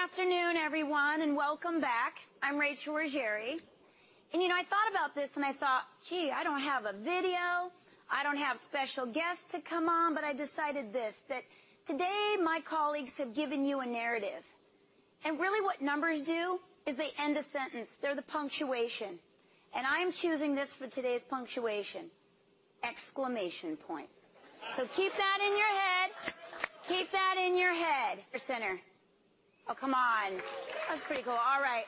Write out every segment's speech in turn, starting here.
Good afternoon, everyone, and welcome back. I'm Rachel Ruggeri. You know, I thought about this and I thought, "Gee, I don't have a video. I don't have special guests to come on," but I decided this, that today my colleagues have given you a narrative. Really what numbers do is they end a sentence. They're the punctuation, and I'm choosing this for today's punctuation, exclamation point. Keep that in your head. Your center. Oh, come on. That was pretty cool. All right.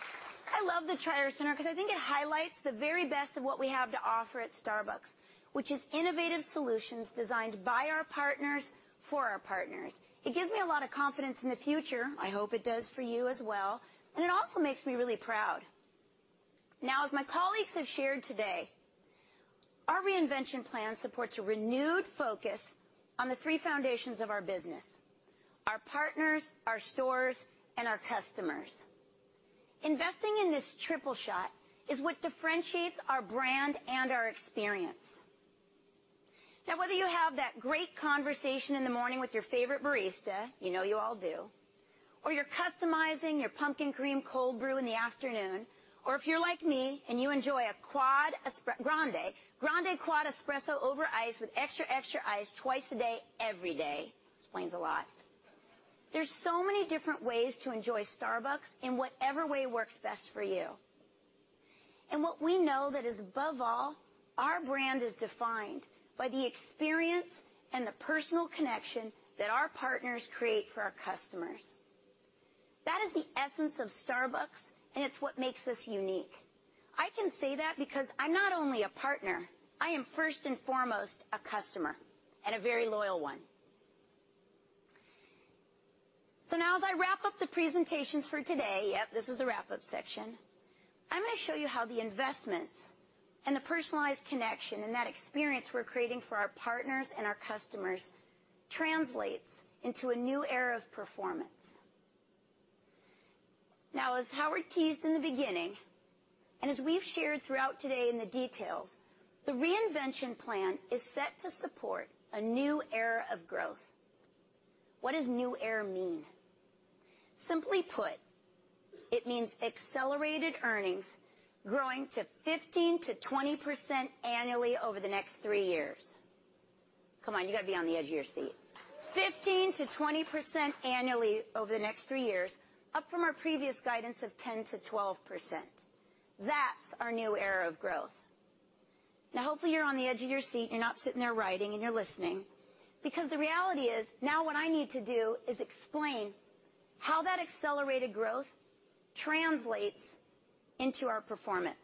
I love the Tryer Center 'cause I think it highlights the very best of what we have to offer at Starbucks, which is innovative solutions designed by our partners for our partners. It gives me a lot of confidence in the future. I hope it does for you as well, and it also makes me really proud. Now, as my colleagues have shared today, our reinvention plan supports a renewed focus on the three foundations of our business, our partners, our stores, and our customers. Investing in this Triple Shot is what differentiates our brand and our experience. Now, whether you have that great conversation in the morning with your favorite barista, you know you all do, or you're customizing your pumpkin cream cold brew in the afternoon, or if you're like me, and you enjoy a grande quad espresso over ice with extra extra ice twice a day every day. Explains a lot. There's so many different ways to enjoy Starbucks in whatever way works best for you. What we know that is above all, our brand is defined by the experience and the personal connection that our partners create for our customers. That is the essence of Starbucks, and it's what makes us unique. I can say that because I'm not only a partner, I am first and foremost a customer, and a very loyal one. Now as I wrap up the presentations for today. Yep, this is the wrap-up section. I'm gonna show you how the investments and the personalized connection and that experience we're creating for our partners and our customers translates into a new era of performance. Now, as Howard teased in the beginning, and as we've shared throughout today in the details, the reinvention plan is set to support a new era of growth. What does new era mean? Simply put, it means accelerated earnings growing to 15%-20% annually over the next three years. Come on, you gotta be on the edge of your seat. 15%-20% annually over the next three years, up from our previous guidance of 10%-12%. That's our new era of growth. Now, hopefully, you're on the edge of your seat. You're not sitting there writing and you're listening, because the reality is now what I need to do is explain how that accelerated growth translates into our performance.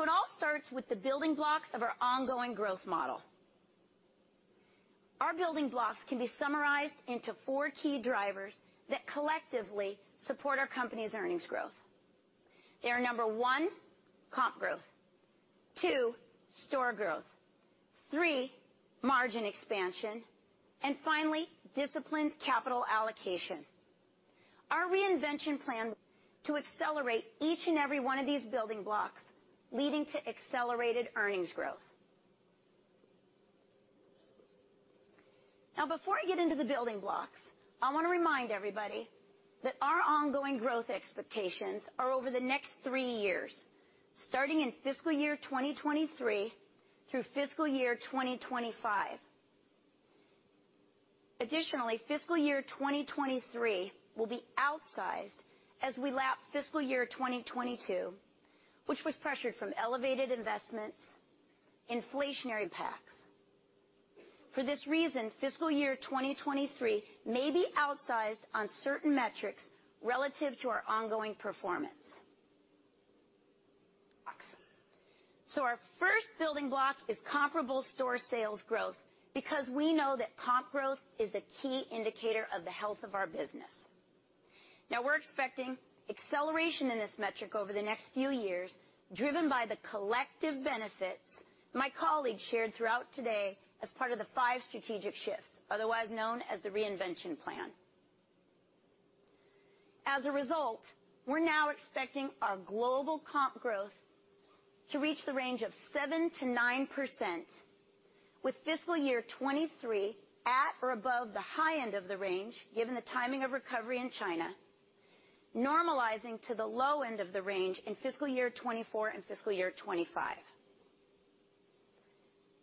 It all starts with the building blocks of our ongoing growth model. Our building blocks can be summarized into four key drivers that collectively support our company's earnings growth. They are, number one, comp growth, two, store growth, three, margin expansion, and finally, disciplined capital allocation. Our reinvention plan to accelerate each and every one of these building blocks, leading to accelerated earnings growth. Now, before I get into the building blocks, I wanna remind everybody that our ongoing growth expectations are over the next three years, starting in fiscal year 2023 through fiscal year 2025. Additionally, fiscal year 2023 will be outsized as we lap fiscal year 2022, which was pressured from elevated investments, inflationary impacts. For this reason, fiscal year 2023 may be outsized on certain metrics relative to our ongoing performance. Awesome. Our first building block is comparable store sales growth because we know that comp growth is a key indicator of the health of our business. Now we're expecting acceleration in this metric over the next few years, driven by the collective benefits my colleagues shared throughout today as part of the five strategic shifts, otherwise known as the reinvention plan. As a result, we're now expecting our global comp growth to reach the range of 7%-9%, with fiscal year 2023 at or above the high end of the range, given the timing of recovery in China, normalizing to the low end of the range in fiscal year 2024 and fiscal year 2025.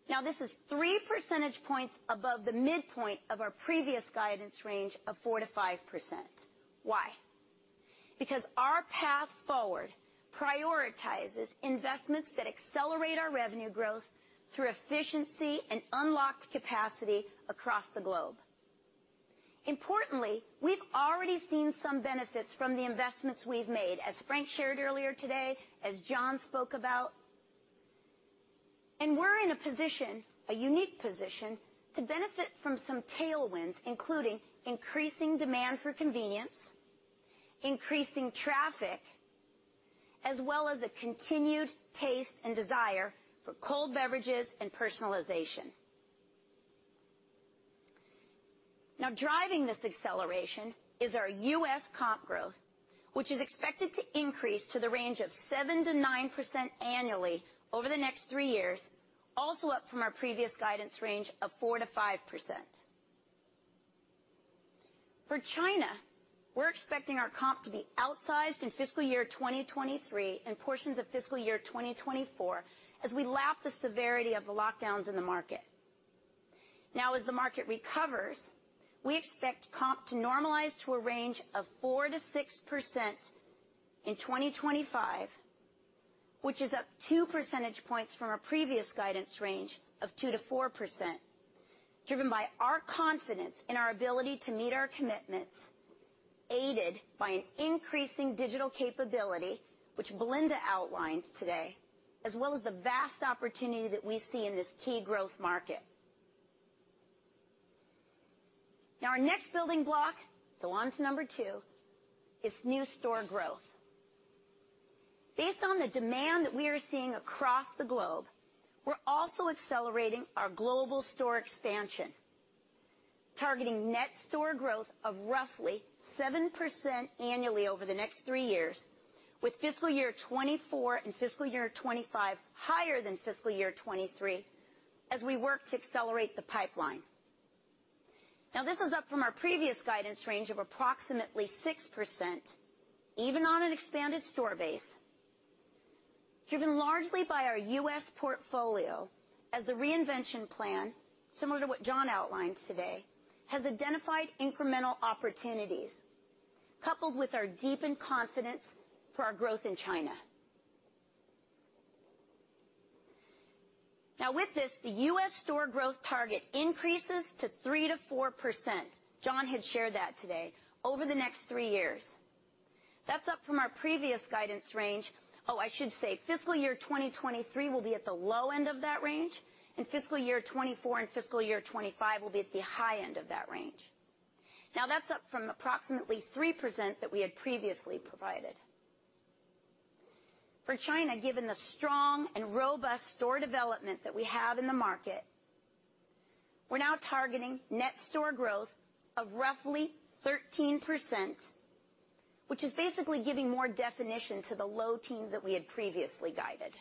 Now, this is three percentage points above the midpoint of our previous guidance range of 4%-5%. Why? Because our path forward prioritizes investments that accelerate our revenue growth through efficiency and unlocked capacity across the globe. Importantly, we've already seen some benefits from the investments we've made, as Frank shared earlier today, as John spoke about. We're in a position, a unique position, to benefit from some tailwinds, including increasing demand for convenience, increasing traffic, as well as a continued taste and desire for cold beverages and personalization. Now, driving this acceleration is our U.S. comp growth, which is expected to increase to the range of 7%-9% annually over the next three years, also up from our previous guidance range of 4%-5%. For China, we're expecting our comp to be outsized in fiscal year 2023 and portions of fiscal year 2024 as we lap the severity of the lockdowns in the market. Now, as the market recovers, we expect comp to normalize to a range of 4%-6% in 2025, which is up two percentage points from our previous guidance range of 2%-4%, driven by our confidence in our ability to meet our commitments, aided by an increasing digital capability, which Belinda outlined today, as well as the vast opportunity that we see in this key growth market. Our next building block, on to number two, is new store growth. Based on the demand that we are seeing across the globe, we're also accelerating our global store expansion, targeting net store growth of roughly 7% annually over the next three years, with fiscal year 2024 and fiscal year 2025 higher than fiscal year 2023 as we work to accelerate the pipeline. This is up from our previous guidance range of approximately 6%, even on an expanded store base, driven largely by our U.S. portfolio as the reinvention plan, similar to what John outlined today, has identified incremental opportunities, coupled with our deepened confidence for our growth in China. With this, the U.S. store growth target increases to 3%-4%, John had shared that today, over the next three years. That's up from our previous guidance range. Oh, I should say fiscal year 2023 will be at the low end of that range, and fiscal year 2024 and fiscal year 2025 will be at the high end of that range. Now that's up from approximately 3% that we had previously provided. For China, given the strong and robust store development that we have in the market, we're now targeting net store growth of roughly 13%, which is basically giving more definition to the low teens that we had previously guided.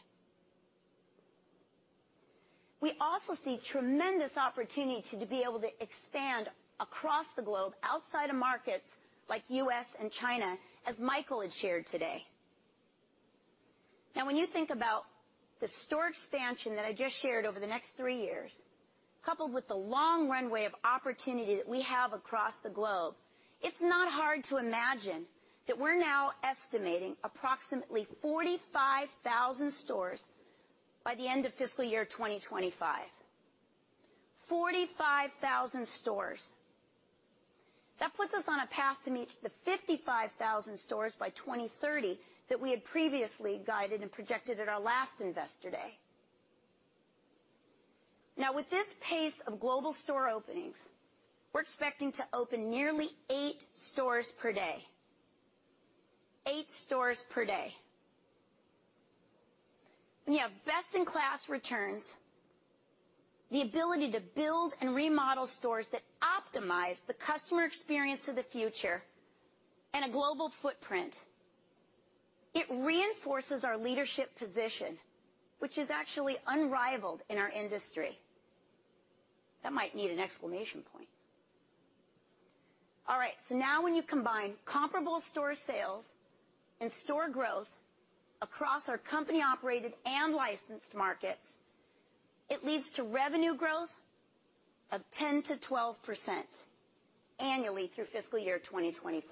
We also see tremendous opportunity to be able to expand across the globe outside of markets like U.S. and China, as Michael had shared today. Now when you think about the store expansion that I just shared over the next three years, coupled with the long runway of opportunity that we have across the globe, it's not hard to imagine that we're now estimating approximately 45,000 stores by the end of fiscal year 2025. 45,000 stores. That puts us on a path to meet the 55,000 stores by 2030 that we had previously guided and projected at our last Investor Day. Now with this pace of global store openings, we're expecting to open nearly eight stores per day. Eight stores per day. When you have best-in-class returns, the ability to build and remodel stores that optimize the customer experience of the future and a global footprint, it reinforces our leadership position, which is actually unrivaled in our industry. That might need an exclamation point. All right. Now when you combine comparable store sales and store growth across our company-operated and licensed markets, it leads to revenue growth of 10%-12% annually through fiscal year 2025.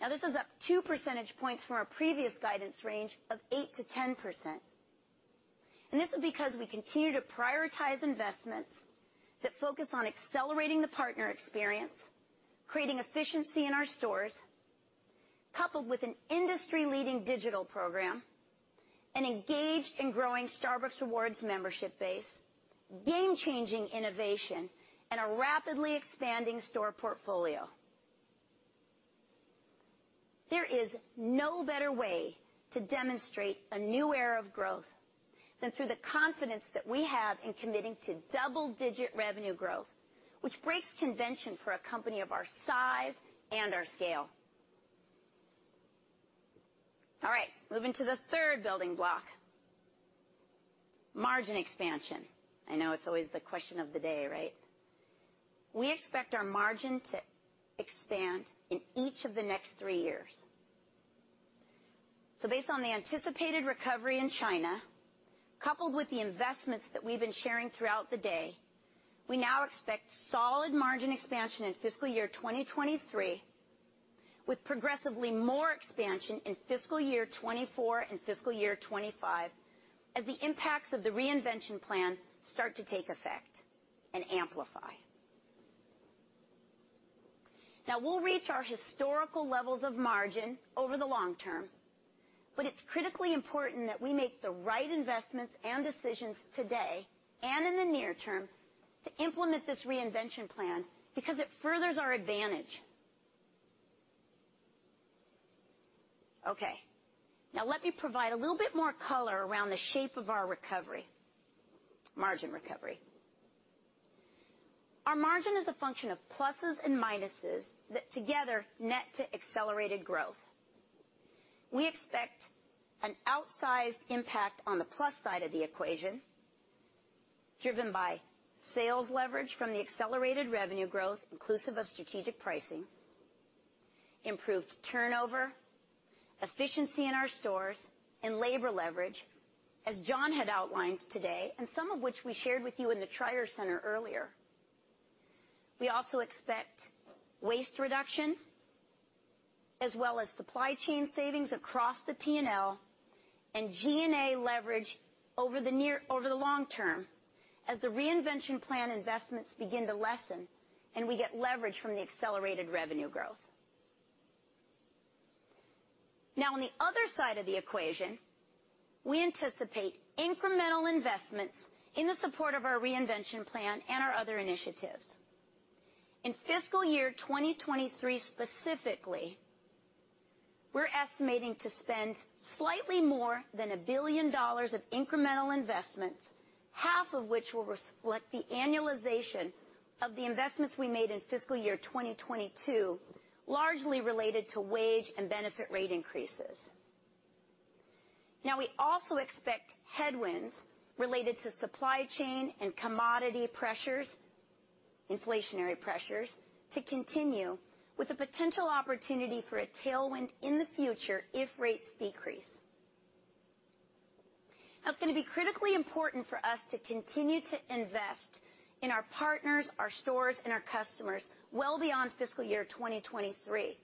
Now this is up two percentage points from our previous guidance range of 8%-10%. This is because we continue to prioritize investments that focus on accelerating the partner experience, creating efficiency in our stores, coupled with an industry-leading digital program, an engaged and growing Starbucks Rewards membership base, game-changing innovation, and a rapidly expanding store portfolio. There is no better way to demonstrate a new era of growth than through the confidence that we have in committing to double-digit revenue growth, which breaks convention for a company of our size and our scale. All right, moving to the third building block, margin expansion. I know it's always the question of the day, right? We expect our margin to expand in each of the next three years. Based on the anticipated recovery in China, coupled with the investments that we've been sharing throughout the day, we now expect solid margin expansion in fiscal year 2023, with progressively more expansion in fiscal year 2024 and fiscal year 2025 as the impacts of the reinvention plan start to take effect and amplify. Now we'll reach our historical levels of margin over the long term, but it's critically important that we make the right investments and decisions today and in the near term to implement this reinvention plan because it furthers our advantage. Okay. Now let me provide a little bit more color around the shape of our recovery, margin recovery. Our margin is a function of pluses and minuses that together net to accelerated growth. We expect an outsized impact on the plus side of the equation, driven by sales leverage from the accelerated revenue growth inclusive of strategic pricing, improved turnover, efficiency in our stores and labor leverage, as John had outlined today, and some of which we shared with you in the Tryer Center earlier. We also expect waste reduction as well as supply chain savings across the P&L and G&A leverage over the long term as the reinvention plan investments begin to lessen and we get leverage from the accelerated revenue growth. Now on the other side of the equation, we anticipate incremental investments in the support of our reinvention plan and our other initiatives. In fiscal year 2023 specifically, we're estimating to spend slightly more than $1 billion of incremental investments, half of which will reflect the annualization of the investments we made in fiscal year 2022, largely related to wage and benefit rate increases. Now, we also expect headwinds related to supply chain and commodity pressures, inflationary pressures to continue with a potential opportunity for a tailwind in the future if rates decrease. Now, it's gonna be critically important for us to continue to invest in our partners, our stores, and our customers well beyond fiscal year 2023.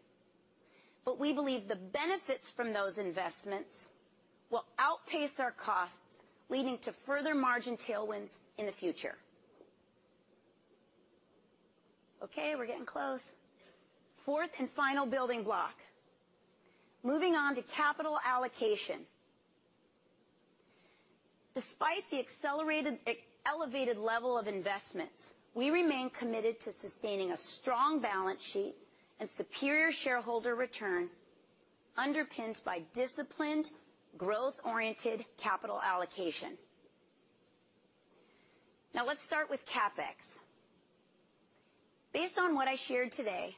We believe the benefits from those investments will outpace our costs, leading to further margin tailwinds in the future. Okay, we're getting close. Fourth and final building block. Moving on to capital allocation. Despite the elevated level of investments, we remain committed to sustaining a strong balance sheet and superior shareholder return underpinned by disciplined, growth-oriented capital allocation. Now let's start with CapEx. Based on what I shared today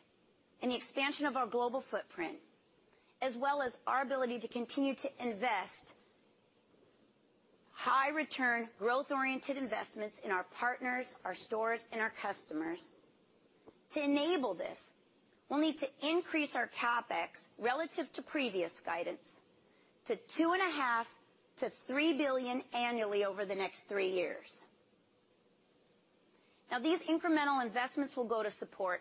and the expansion of our global footprint, as well as our ability to continue to invest high return growth-oriented investments in our partners, our stores, and our customers. To enable this, we'll need to increase our CapEx relative to previous guidance to $2.5-$3 billion annually over the next three years. Now, these incremental investments will go to support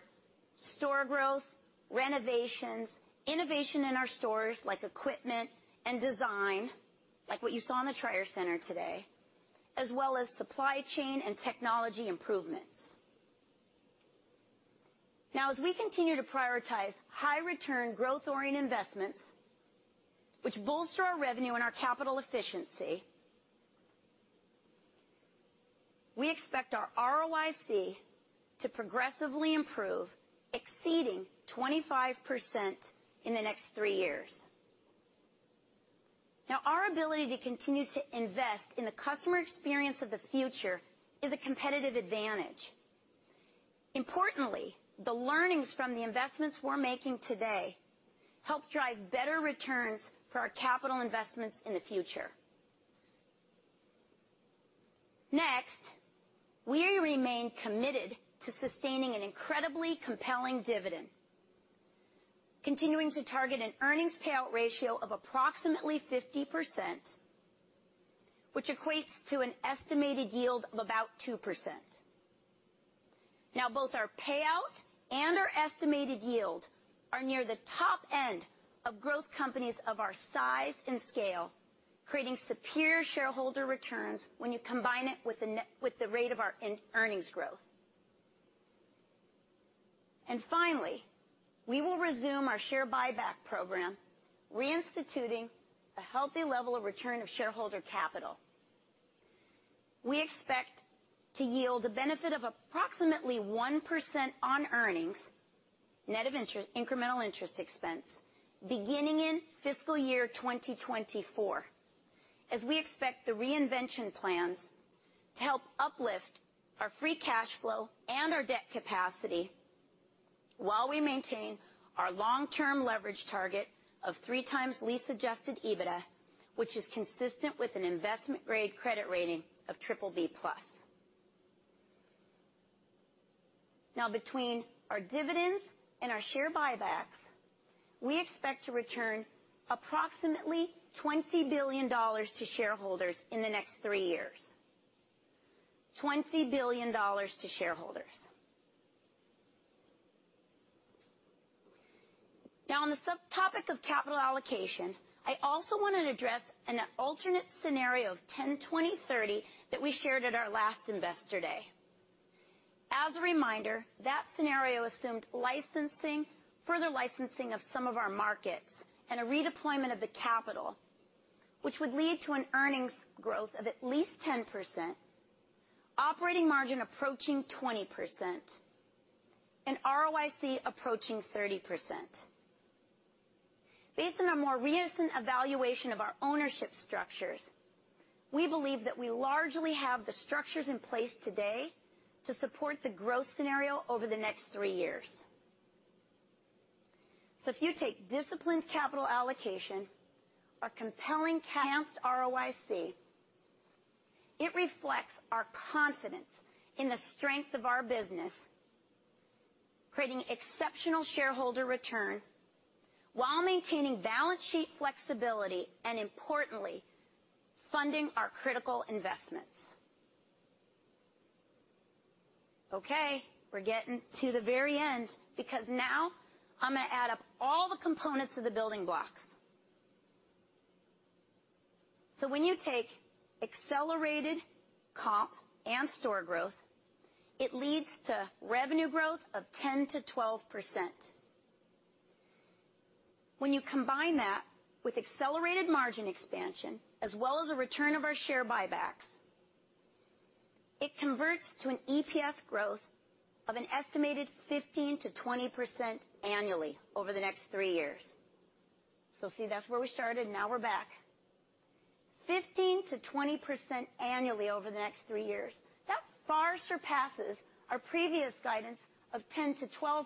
store growth, renovations, innovation in our stores like equipment and design, like what you saw in the Tryer Center today, as well as supply chain and technology improvements. Now, as we continue to prioritize high return growth-oriented investments which bolster our revenue and our capital efficiency, we expect our ROIC to progressively improve, exceeding 25% in the next three years. Now, our ability to continue to invest in the customer experience of the future is a competitive advantage. Importantly, the learnings from the investments we're making today help drive better returns for our capital investments in the future. Next, we remain committed to sustaining an incredibly compelling dividend, continuing to target an earnings payout ratio of approximately 50%, which equates to an estimated yield of about 2%. Now, both our payout and our estimated yield are near the top end of growth companies of our size and scale, creating superior shareholder returns when you combine it with the rate of our earnings growth. Finally, we will resume our share buyback program, reinstituting a healthy level of return of shareholder capital. We expect to yield a benefit of approximately 1% on earnings net of interest, incremental interest expense beginning in fiscal year 2024, as we expect the reinvention plans to help uplift our free cash flow and our debt capacity while we maintain our long-term leverage target of 3x lease-adjusted EBITDA, which is consistent with an investment-grade credit rating of BBB+. Now between our dividends and our share buybacks, we expect to return approximately $20 billion to shareholders in the next three years. $20 billion to shareholders. Now on the subtopic of capital allocation, I also want to address an alternate scenario of 10, 20, 30 that we shared at our last Investor Day. As a reminder, that scenario assumed licensing, further licensing of some of our markets and a redeployment of the capital, which would lead to an earnings growth of at least 10%, operating margin approaching 20%, and ROIC approaching 30%. Based on a more recent evaluation of our ownership structures, we believe that we largely have the structures in place today to support the growth scenario over the next three years. If you take disciplined capital allocation, our compelling comps ROIC, it reflects our confidence in the strength of our business, creating exceptional shareholder return while maintaining balance sheet flexibility, and importantly, funding our critical investments. Okay, we're getting to the very end, because now I'm gonna add up all the components of the building blocks. When you take accelerated comp and store growth, it leads to revenue growth of 10%-12%. When you combine that with accelerated margin expansion, as well as a return of our share buybacks, it converts to an EPS growth of an estimated 15%-20% annually over the next three years. So see, that's where we started. Now we're back. 15%-20% annually over the next three years. That far surpasses our previous guidance of 10%-12%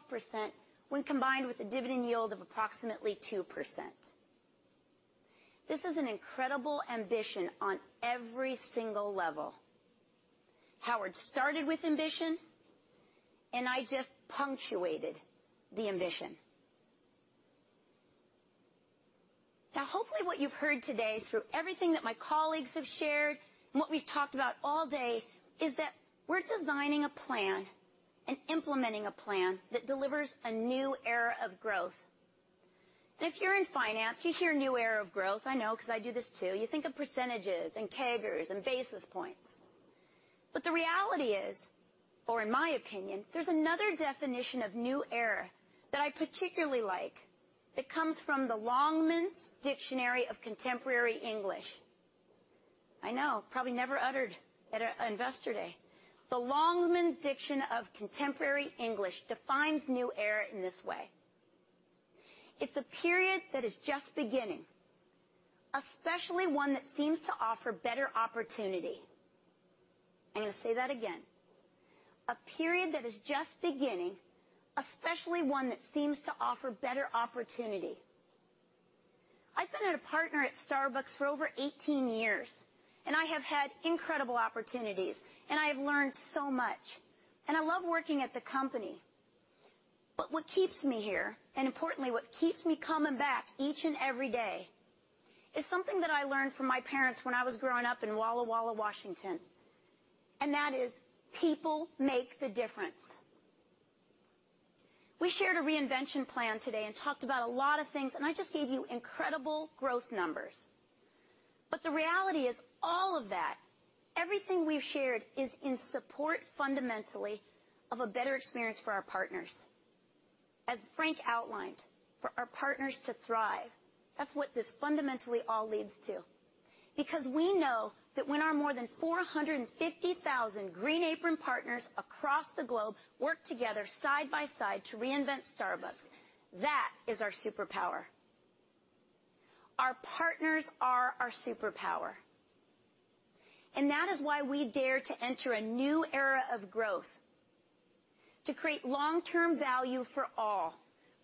when combined with a dividend yield of approximately 2%. This is an incredible ambition on every single level. Howard started with ambition, and I just punctuated the ambition. Now, hopefully, what you've heard today through everything that my colleagues have shared and what we've talked about all day, is that we're designing a plan and implementing a plan that delivers a new era of growth. If you're in finance, you hear new era of growth. I know 'cause I do this, too. You think of percentages and CAGRs and basis points. The reality is, or in my opinion, there's another definition of new era that I particularly like. It comes from the Longman Dictionary of Contemporary English. I know. Probably never uttered at an Investor Day. The Longman Dictionary of Contemporary English defines new era in this way. "It's a period that is just beginning, especially one that seems to offer better opportunity." I'm gonna say that again. "A period that is just beginning, especially one that seems to offer better opportunity." I've been a partner at Starbucks for over 18 years, and I have had incredible opportunities, and I have learned so much, and I love working at the company. What keeps me here, and importantly, what keeps me coming back each and every day, is something that I learned from my parents when I was growing up in Walla Walla, Washington. That is, people make the difference. We shared a reinvention plan today and talked about a lot of things, and I just gave you incredible growth numbers. The reality is all of that, everything we've shared, is in support fundamentally of a better experience for our partners. As Frank outlined, for our partners to thrive, that's what this fundamentally all leads to. Because we know that when our more than 450,000 Green Apron partners across the globe work together side by side to reinvent Starbucks, that is our superpower. Our partners are our superpower. That is why we dare to enter a new era of growth to create long-term value for all,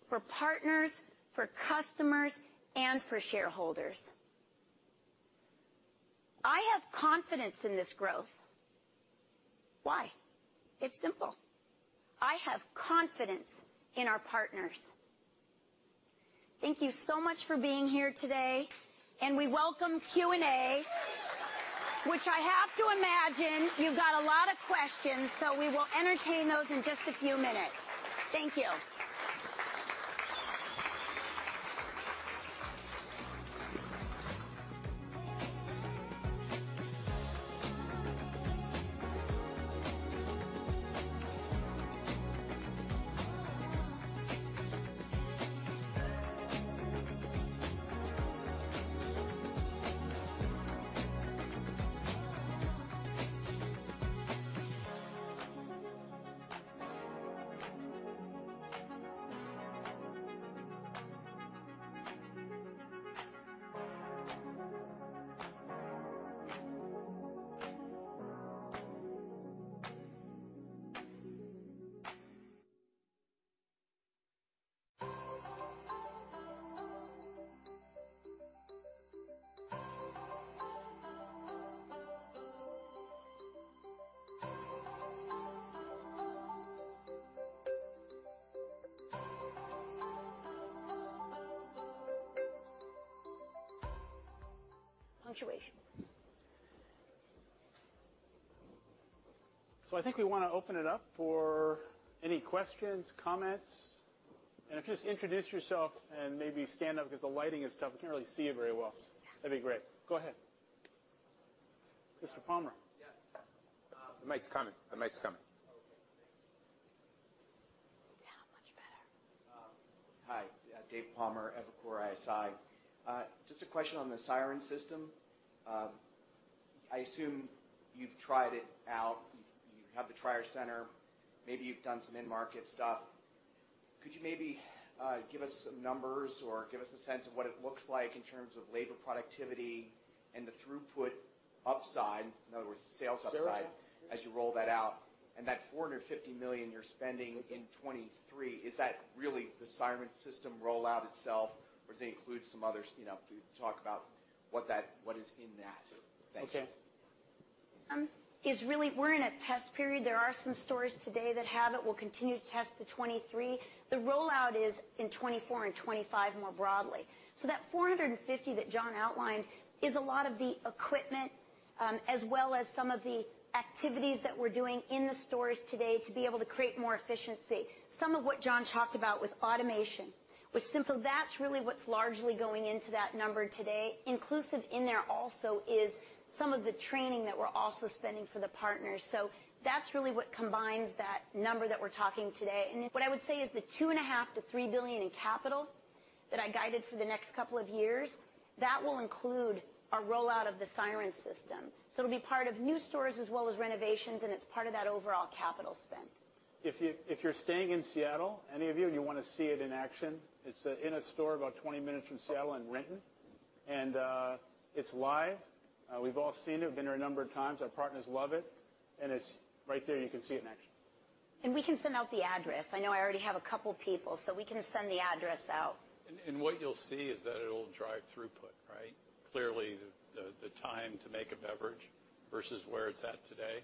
for partners, for customers, and for shareholders. I have confidence in this growth. Why? It's simple. I have confidence in our partners. Thank you so much for being here today, and we welcome Q&A, which I have to imagine you've got a lot of questions, so we will entertain those in just a few minutes. Thank you. I think we wanna open it up for any questions, comments. If you just introduce yourself and maybe stand up 'cause the lighting is tough. We can't really see you very well. Yeah. That'd be great. Go ahead. Mr. Palmer. The mic's coming. The mic's coming. Yeah, much better. Hi. David Palmer, Evercore ISI. Just a question on the Siren System. I assume you've tried it out. You have the Tryer Center, maybe you've done some in-market stuff. Could you maybe give us some numbers or give us a sense of what it looks like in terms of labor productivity and the throughput upside, in other words, the sales upside as you roll that out? That $450 million you're spending in 2023, is that really the Siren System rollout itself, or does it include some other, you know, if you could talk about what is in that. Thank you. It's really we're in a test period. There are some stores today that have it. We'll continue to test to 2023. The rollout is in 2024 and 2025 more broadly. That 450 that John outlined is a lot of the equipment, as well as some of the activities that we're doing in the stores today to be able to create more efficiency. Some of what John talked about with automation, with simple. That's really what's largely going into that number today. Inclusive in there also is some of the training that we're also spending for the partners. That's really what combines that number that we're talking today. What I would say is the $2.5 billion-$3 billion in capital that I guided for the next couple of years, that will include our rollout of the Siren System. It'll be part of new stores as well as renovations, and it's part of that overall capital spend. If you're staying in Seattle, any of you, and you wanna see it in action, it's in a store about 20 minutes from Seattle in Renton. It's live. We've all seen it. We've been there a number of times. Our partners love it, and it's right there. You can see it in action. We can send out the address. I know I already have a couple people, so we can send the address out. What you'll see is that it'll drive throughput, right? Clearly, the time to make a beverage versus where it's at today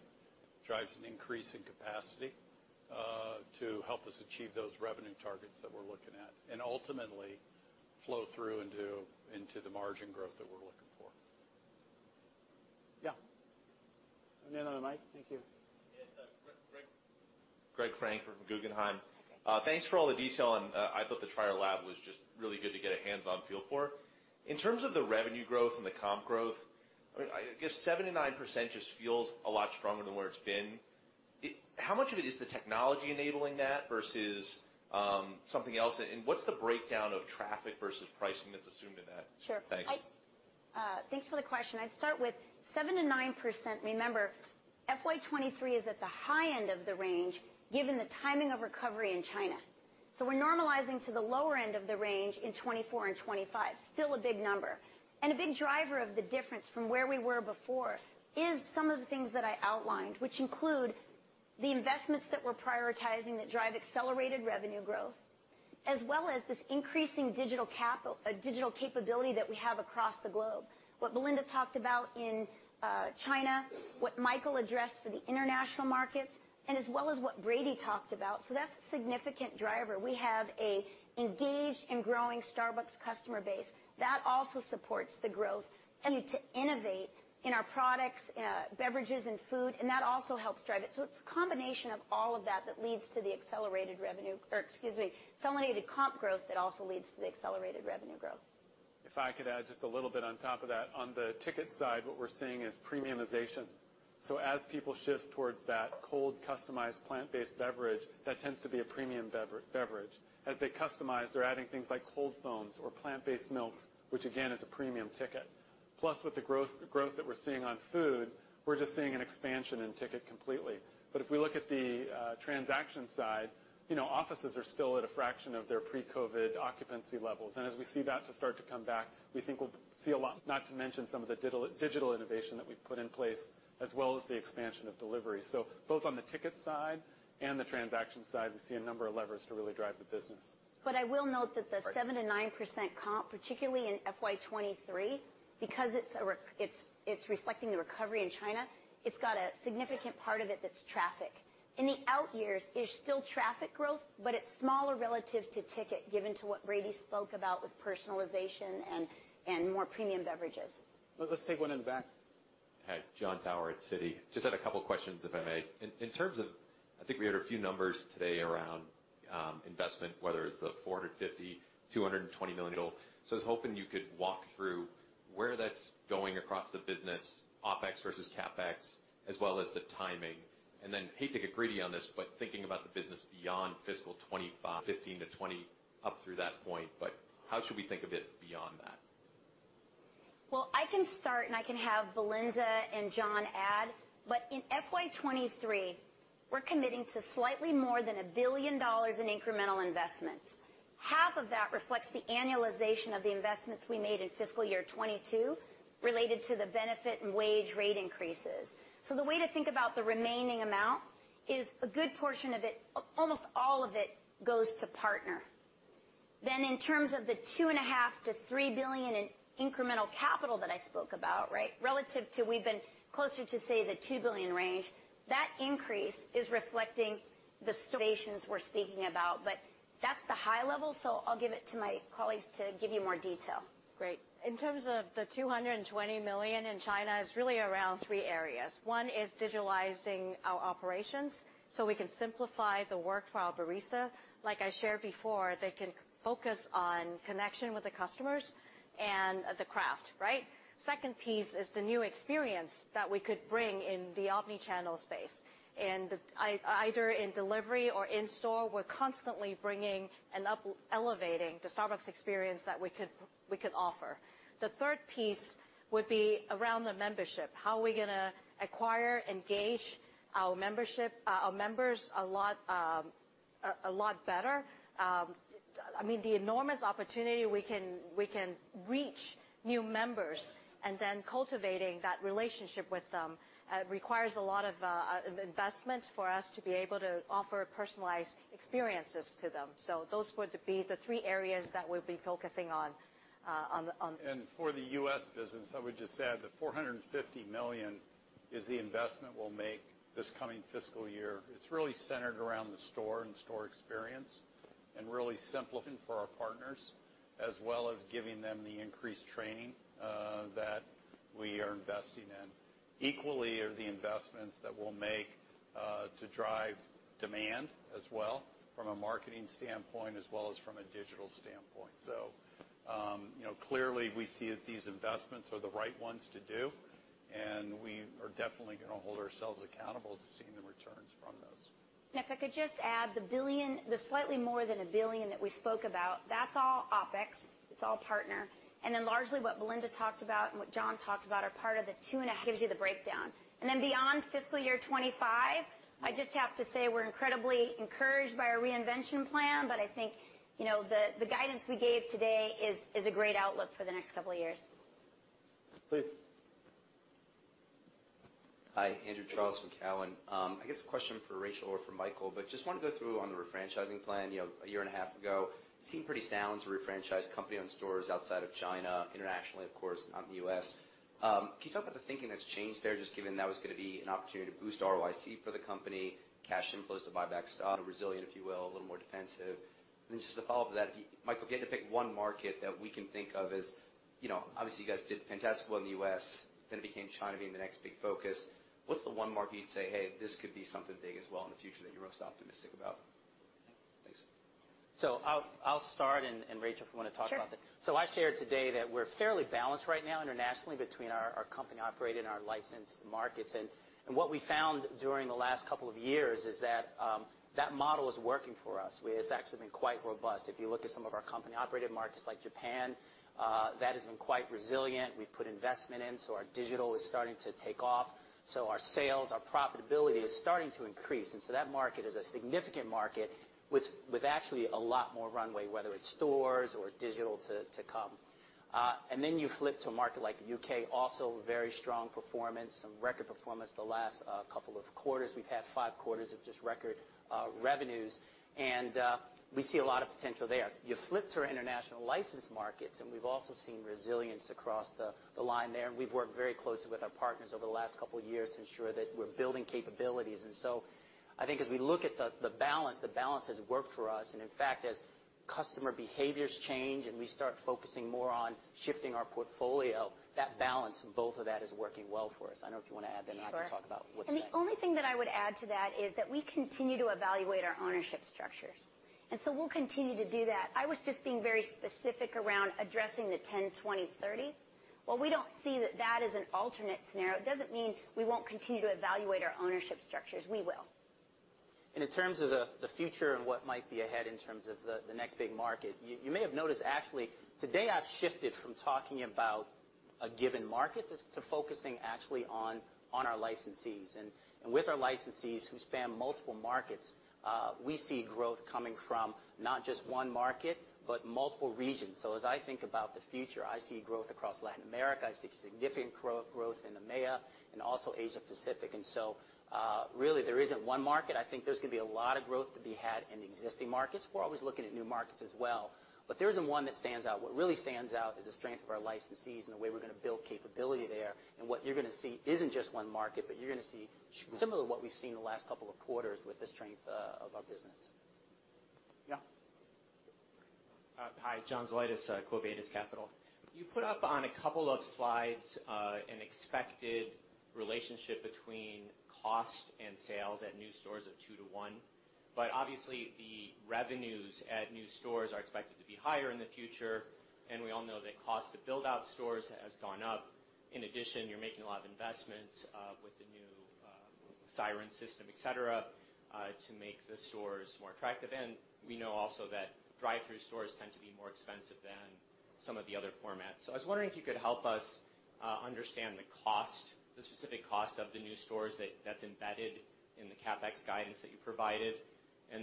drives an increase in capacity to help us achieve those revenue targets that we're looking at, and ultimately flow through into the margin growth that we're looking for. Yeah. On the mic. Thank you. Yes. Greg, Gregory Francfort from Guggenheim. Thanks for all the detail, and I thought the Tryer lab was just really good to get a hands-on feel for. In terms of the revenue growth and the comp growth, I mean, I guess 7%-9% just feels a lot stronger than where it's been. How much of it is the technology enabling that versus something else? What's the breakdown of traffic versus pricing that's assumed in that?. Thanks for the question. I'd start with 7%-9%. Remember, FY 2023 is at the high end of the range given the timing of recovery in China. We're normalizing to the lower end of the range in 2024 and 2025. Still a big number. A big driver of the difference from where we were before is some of the things that I outlined, which include the investments that we're prioritizing that drive accelerated revenue growth, as well as this increasing digital capability that we have across the globe, what Belinda talked about in China, what Michael addressed for the international markets, and as well as what Brady talked about. That's a significant driver. We have an engaged and growing Starbucks customer base. That also supports the growth. To innovate in our products, beverages and food, and that also helps drive it. It's a combination of all of that that leads to the accelerated comp growth that also leads to the accelerated revenue growth. If I could add just a little bit on top of that. On the ticket side, what we're seeing is premiumization. As people shift towards that cold, customized plant-based beverage, that tends to be a premium beverage. As they customize, they're adding things like cold foams or plant-based milks, which again is a premium ticket. Plus, with the growth that we're seeing on food, we're just seeing an expansion in ticket completely. If we look at the transaction side, you know, offices are still at a fraction of their pre-COVID occupancy levels. As we see that to start to come back, we think we'll see a lot, not to mention some of the digital innovation that we've put in place, as well as the expansion of delivery. Both on the ticket side and the transaction side, we see a number of levers to really drive the business. I will note that the 7%-9% comp, particularly in FY 2023, because it's reflecting the recovery in China, it's got a significant part of it that's traffic. In the out years, there's still traffic growth, but it's smaller relative to ticket, given what Brady spoke about with personalization and more premium beverages. Let's take one in the back. Hi. Jon Tower at Citi. Just had a couple questions, if I may. In terms of, I think we heard a few numbers today around investment, whether it's the $450, $220 million. So I was hoping you could walk through where that's going across the business, OpEx versus CapEx, as well as the timing. I hate to get greedy on this, but thinking about the business beyond fiscal 2025, 2015-2020, up through that point, but how should we think of it beyond that? I can start, and I can have Belinda and John add. In FY 2023, we're committing to slightly more than $1 billion in incremental investments. Half of that reflects the annualization of the investments we made in fiscal year 2022 related to the benefit and wage rate increases. The way to think about the remaining amount is a good portion of it, almost all of it, goes to partner. In terms of the $2.5-$3 billion in incremental capital that I spoke about, right? Relative to we've been closer to, say, the $2 billion range, that increase is reflecting the stations we're speaking about, but that's the high level, I'll give it to my colleagues to give you more detail. Great. In terms of the $220 million in China is really around three areas. One is digitalizing our operations so we can simplify the work for our barista. Like I shared before, they can focus on connection with the customers and the craft, right? Second piece is the new experience that we could bring in the omni-channel space. Either in delivery or in store, we're constantly elevating the Starbucks experience that we could bring. We could offer. The third piece would be around the membership. How are we gonna acquire, engage our membership, our members a lot better? I mean, the enormous opportunity we can reach new members and then cultivating that relationship with them requires a lot of investment for us to be able to offer personalized experiences to them. Those would be the three areas that we'll be focusing on. For the U.S. business, I would just add the $450 million is the investment we'll make this coming fiscal year. It's really centered around the store and store experience and really simplifying for our partners as well as giving them the increased training that we are investing in. Equally are the investments that we'll make to drive demand as well from a marketing standpoint as well as from a digital standpoint. You know, clearly, we see that these investments are the right ones to do, and we are definitely gonna hold ourselves accountable to seeing the returns from those. If I could just add, the $1 billion, the slightly more than $1 billion that we spoke about, that's all OpEx. It's all partner. Then largely what Belinda talked about and what John talked about are part of the $2.5, gives you the breakdown. Then beyond fiscal year 2025, I just have to say we're incredibly encouraged by our reinvention plan, but I think, you know, the guidance we gave today is a great outlook for the next couple of years. Please. Hi, Andrew Charles from Cowen. I guess a question for Rachel or for Michael, but just wanna go through on the refranchising plan. You know, a year and a half ago, it seemed pretty sound to refranchise company-owned stores outside of China, internationally, of course, not in the U.S. Can you talk about the thinking that's changed there, just given that was gonna be an opportunity to boost ROIC for the company, cash inflows to buy back stock, resilient, if you will, a little more defensive? Then just a follow-up to that, Michael, if you had to pick one market that we can think of as, you know, obviously, you guys did fantastically well in the U.S., then it became China being the next big focus. What's the one market you'd say, "Hey, this could be something big as well in the future that you're most optimistic about?" Thanks. I'll start and Rachel, if you wanna talk about that. Sure. I shared today that we're fairly balanced right now internationally between our company-operated and our licensed markets. What we found during the last couple of years is that that model is working for us. It's actually been quite robust. If you look at some of our company-operated markets like Japan, that has been quite resilient. We've put investment in, so our digital is starting to take off. Our sales, our profitability is starting to increase, and that market is a significant market with actually a lot more runway, whether it's stores or digital to come. Then you flip to a market like the U.K., also very strong performance, some record performance the last couple of quarters. We've had five quarters of just record revenues, and we see a lot of potential there. You flip to our international licensed markets, and we've also seen resilience across the line there, and we've worked very closely with our partners over the last couple of years to ensure that we're building capabilities. I think as we look at the balance, the balance has worked for us. In fact, as customer behaviors change and we start focusing more on shifting our portfolio, that balance in both of that is working well for us. I don't know if you wanna add then. Sure. I can talk about what's next. The only thing that I would add to that is that we continue to evaluate our ownership structures, and so we'll continue to do that. I was just being very specific around addressing the 10/20/30. While we don't see that is an alternate scenario, it doesn't mean we won't continue to evaluate our ownership structures. We will. In terms of the future and what might be ahead in terms of the next big market, you may have noticed actually today I've shifted from talking about a given market to focusing actually on our licensees. With our licensees who span multiple markets, we see growth coming from not just one market but multiple regions. As I think about the future, I see growth across Latin America. I see significant growth in EMEA and also Asia Pacific. Really, there isn't one market. I think there's gonna be a lot of growth to be had in existing markets. We're always looking at new markets as well, but there isn't one that stands out. What really stands out is the strength of our licensees and the way we're gonna build capability there. What you're gonna see isn't just one market, but you're gonna see similar to what we've seen in the last couple of quarters with the strength of our business. Yeah. Hi, John Zolidis, Quo Vadis Capital. You put up on a couple of slides an expected relationship between cost and sales at new stores of 2:1. Obviously, the revenues at new stores are expected to be higher in the future, and we all know that cost to build out stores has gone up. In addition, you're making a lot of investments with the new Siren System, et cetera, to make the stores more attractive. We know also that drive-thru stores tend to be more expensive than some of the other formats. I was wondering if you could help us understand the cost, the specific cost of the new stores that's embedded in the CapEx guidance that you provided.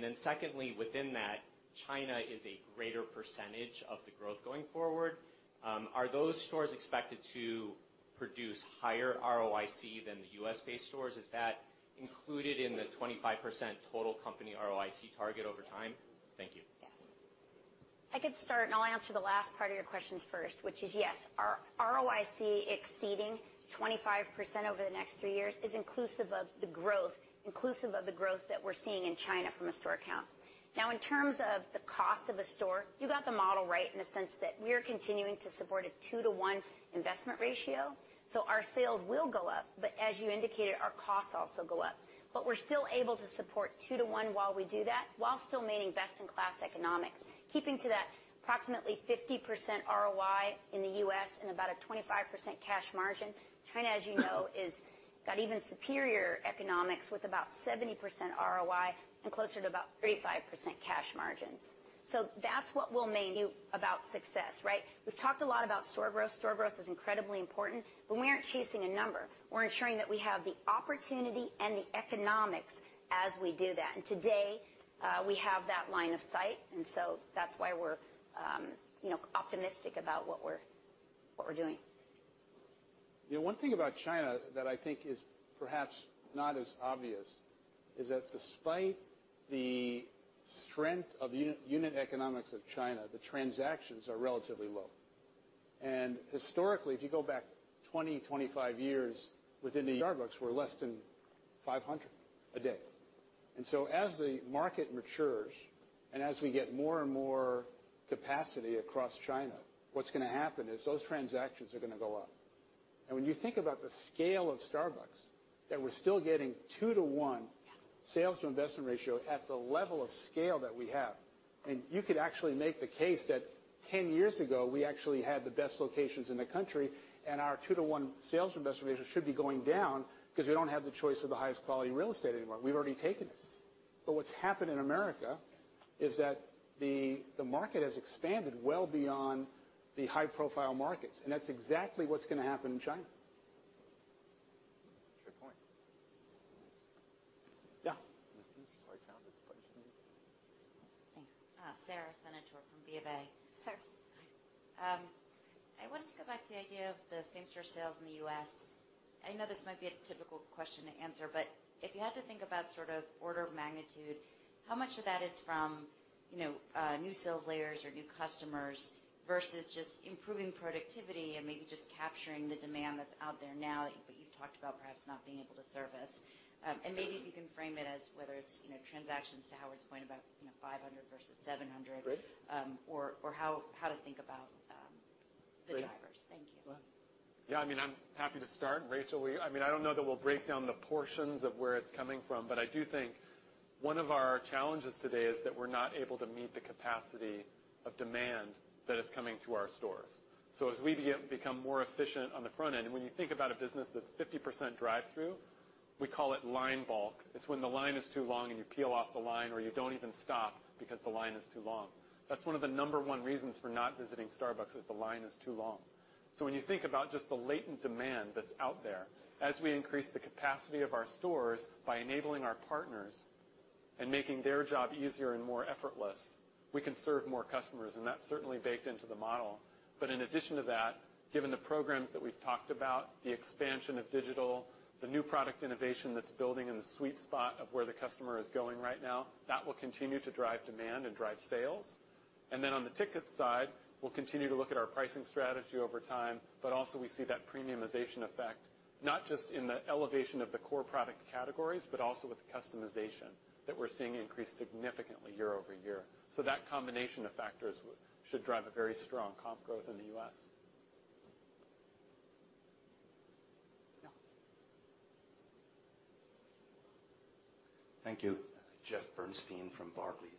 Then secondly, within that, China is a greater percentage of the growth going forward. Are those stores expected to produce higher ROIC than the U.S.-based stores? Is that included in the 25% total company ROIC target over time? Thank you. Yes. I could start, and I'll answer the last part of your questions first, which is yes. Our ROIC exceeding 25% over the next three years is inclusive of the growth, inclusive of the growth that we're seeing in China from a store count. Now, in terms of the cost of a store, you got the model right in the sense that we are continuing to support a 2:1 investment ratio, so our sales will go up, but as you indicated, our costs also go up. We're still able to support 2:1 while we do that, while still maintaining best-in-class economics, keeping to that approximately 50% ROI in the U.S. and about a 25% cash margin. China, as you know, has got even superior economics with about 70% ROI and closer to about 35% cash margins. That's what we'll make it about: success, right? We've talked a lot about store growth. Store growth is incredibly important, but we aren't chasing a number. We're ensuring that we have the opportunity and the economics as we do that. Today, we have that line of sight, and so that's why we're, you know, optimistic about what we're doing. The one thing about China that I think is perhaps not as obvious is that despite the strength of unit economics of China, the transactions are relatively low. Historically, if you go back 25 years within Starbucks, we're less than 500 a day. As the market matures, and as we get more and more capacity across China, what's gonna happen is those transactions are gonna go up. When you think about the scale of Starbucks, that we're still getting 2:1 sales-to-investment ratio at the level of scale that we have. You could actually make the case that 10 years ago, we actually had the best locations in the country, and our 2:1 sales-to-investment ratio should be going down 'cause we don't have the choice of the highest quality real estate anymore. We've already taken it. What's happened in America is that the market has expanded well beyond the high-profile markets, and that's exactly what's gonna happen in China. Good point. Yeah. Sorry, found the question? Thanks. Sara Senatore from Bank of America. Sarah. Hi. I wanted to go back to the idea of the same store sales in the U.S. I know this might be an atypical question to answer, but if you had to think about sort of order of magnitude, how much of that is from, you know, new sales layers or new customers versus just improving productivity and maybe just capturing the demand that's out there now that you've talked about perhaps not being able to service? And maybe you can frame it as whether it's, you know, transactions to Howard's point about, you know, 500 versus 700. Great. how to think about the drivers. Great. Thank you. Go ahead. Yeah, I mean, I'm happy to start. Rachel, I mean, I don't know that we'll break down the portions of where it's coming from, but I do think one of our challenges today is that we're not able to meet the capacity of demand that is coming to our stores. As we become more efficient on the front end, when you think about a business that's 50% drive-through, we call it line balk. It's when the line is too long, and you peel off the line, or you don't even stop because the line is too long. That's one of the number-one reasons for not visiting Starbucks, the line is too long. When you think about just the latent demand that's out there, as we increase the capacity of our stores by enabling our partners and making their job easier and more effortless, we can serve more customers, and that's certainly baked into the model. In addition to that, given the programs that we've talked about, the expansion of digital, the new product innovation that's building in the sweet spot of where the customer is going right now, that will continue to drive demand and drive sales. On the ticket side, we'll continue to look at our pricing strategy over time, but also we see that premiumization effect, not just in the elevation of the core product categories, but also with the customization that we're seeing increase significantly year-over-year. That combination of factors should drive a very strong comp growth in the U.S. Yeah. Thank you. Jeffrey Bernstein from Barclays.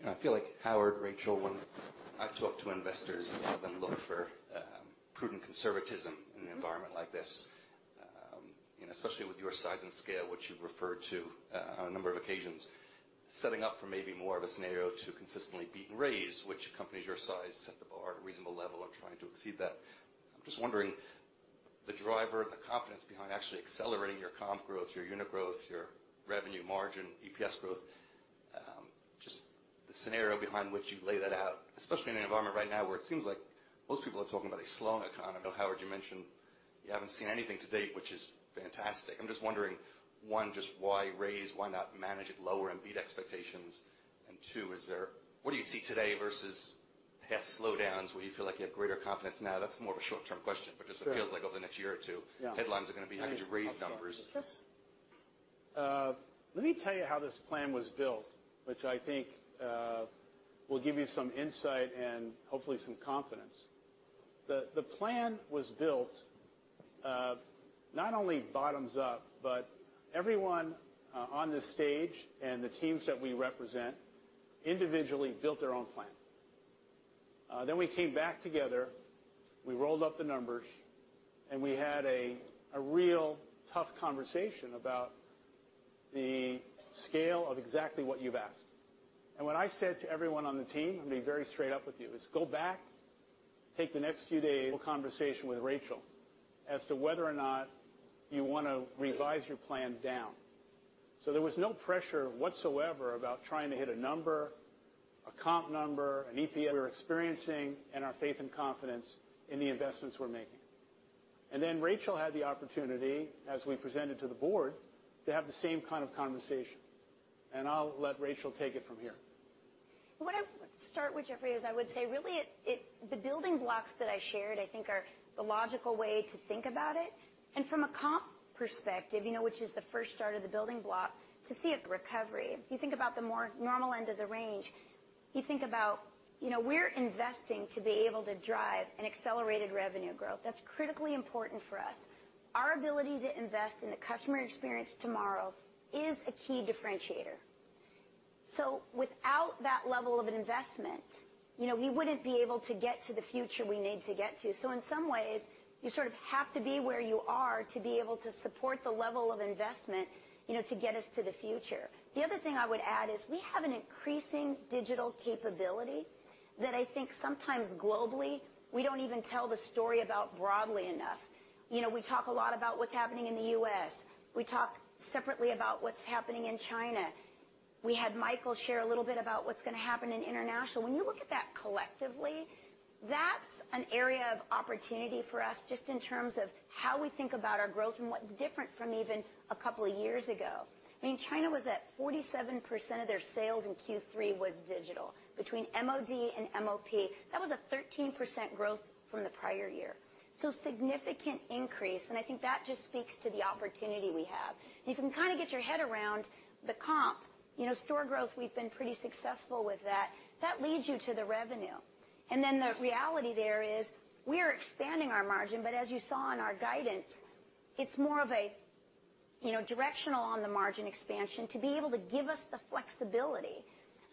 You know, I feel like Howard, Rachel, when I talk to investors, a lot of them look for prudent conservatism in an environment like this. Especially with your size and scale, which you've referred to on a number of occasions, setting up for maybe more of a scenario to consistently beat and raise which companies your size set the bar at a reasonable level are trying to exceed that. I'm just wondering the driver, the confidence behind actually accelerating your comp growth, your unit growth, your revenue margin, EPS growth, just the scenario behind which you lay that out, especially in an environment right now where it seems like most people are talking about a slowing economy. I know, Howard, you mentioned you haven't seen anything to date, which is fantastic. I'm just wondering, one, just why raise? Why not manage it lower and beat expectations? Two, what do you see today versus past slowdowns where you feel like you have greater confidence now? That's more of a short-term question. Sure It feels like over the next year or two. Yeah Headlines are gonna be how did you raise numbers? Let me tell you how this plan was built, which I think will give you some insight and hopefully, some confidence. The plan was built not only bottoms up, but everyone on this stage and the teams that we represent individually built their own plan. Then we came back together, we rolled up the numbers, and we had a real tough conversation about the scale of exactly what you've asked. What I said to everyone on the team, I'm being very straight up with you, is "Go back, take the next few days, have a conversation with Rachel as to whether or not you wanna revise your plan down." There was no pressure whatsoever about trying to hit a number, a comp number, an EPS we were experiencing, and our faith and confidence in the investments we're making. Rachel had the opportunity, as we presented to the board, to have the same kind of conversation. I'll let Rachel take it from here. What I'll start with, Jeffrey, is I would say, really it, the building blocks that I shared, I think are the logical way to think about it. From a comp perspective, you know, which is the first start of the building block, to see a recovery. If you think about the more normal end of the range, you think about, you know, we're investing to be able to drive an accelerated revenue growth. That's critically important for us. Our ability to invest in the customer experience tomorrow is a key differentiator. Without that level of an investment. You know, we wouldn't be able to get to the future we need to get to. In some ways, you sort of have to be where you are to be able to support the level of investment, you know, to get us to the future. The other thing I would add is we have an increasing digital capability that I think sometimes globally, we don't even tell the story about broadly enough. You know, we talk a lot about what's happening in the U.S. We talk separately about what's happening in China. We had Michael share a little bit about what's gonna happen in international. When you look at that collectively, that's an area of opportunity for us, just in terms of how we think about our growth and what's different from even a couple of years ago. I mean, China was at 47% of their sales in Q3 was digital. Between MOD and MOP, that was a 13% growth from the prior year. Significant increase, and I think that just speaks to the opportunity we have. If you can kinda get your head around the comp, you know, store growth, we've been pretty successful with that leads you to the revenue. The reality there is we're expanding our margin, but as you saw in our guidance, it's more of a, you know, directional on the margin expansion to be able to give us the flexibility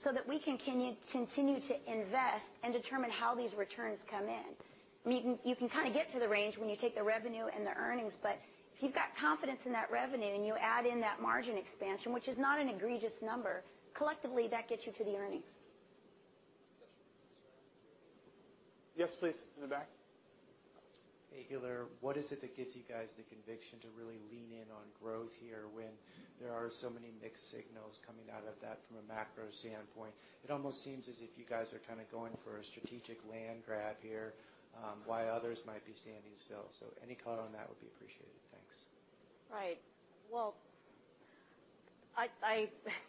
so that we can continue to invest and determine how these returns come in. I mean, you can kind of get to the range when you take the revenue and the earnings, but if you've got confidence in that revenue, and you add in that margin expansion, which is not an egregious number, collectively, that gets you to the earnings. Yes, please, in the back. Hey, What is it that gives you guys the conviction to really lean in on growth here when there are so many mixed signals coming out of that from a macro standpoint? It almost seems as if you guys are kind of going for a strategic land grab here, while others might be standing still. Any color on that would be appreciated. Thanks. Right. Well,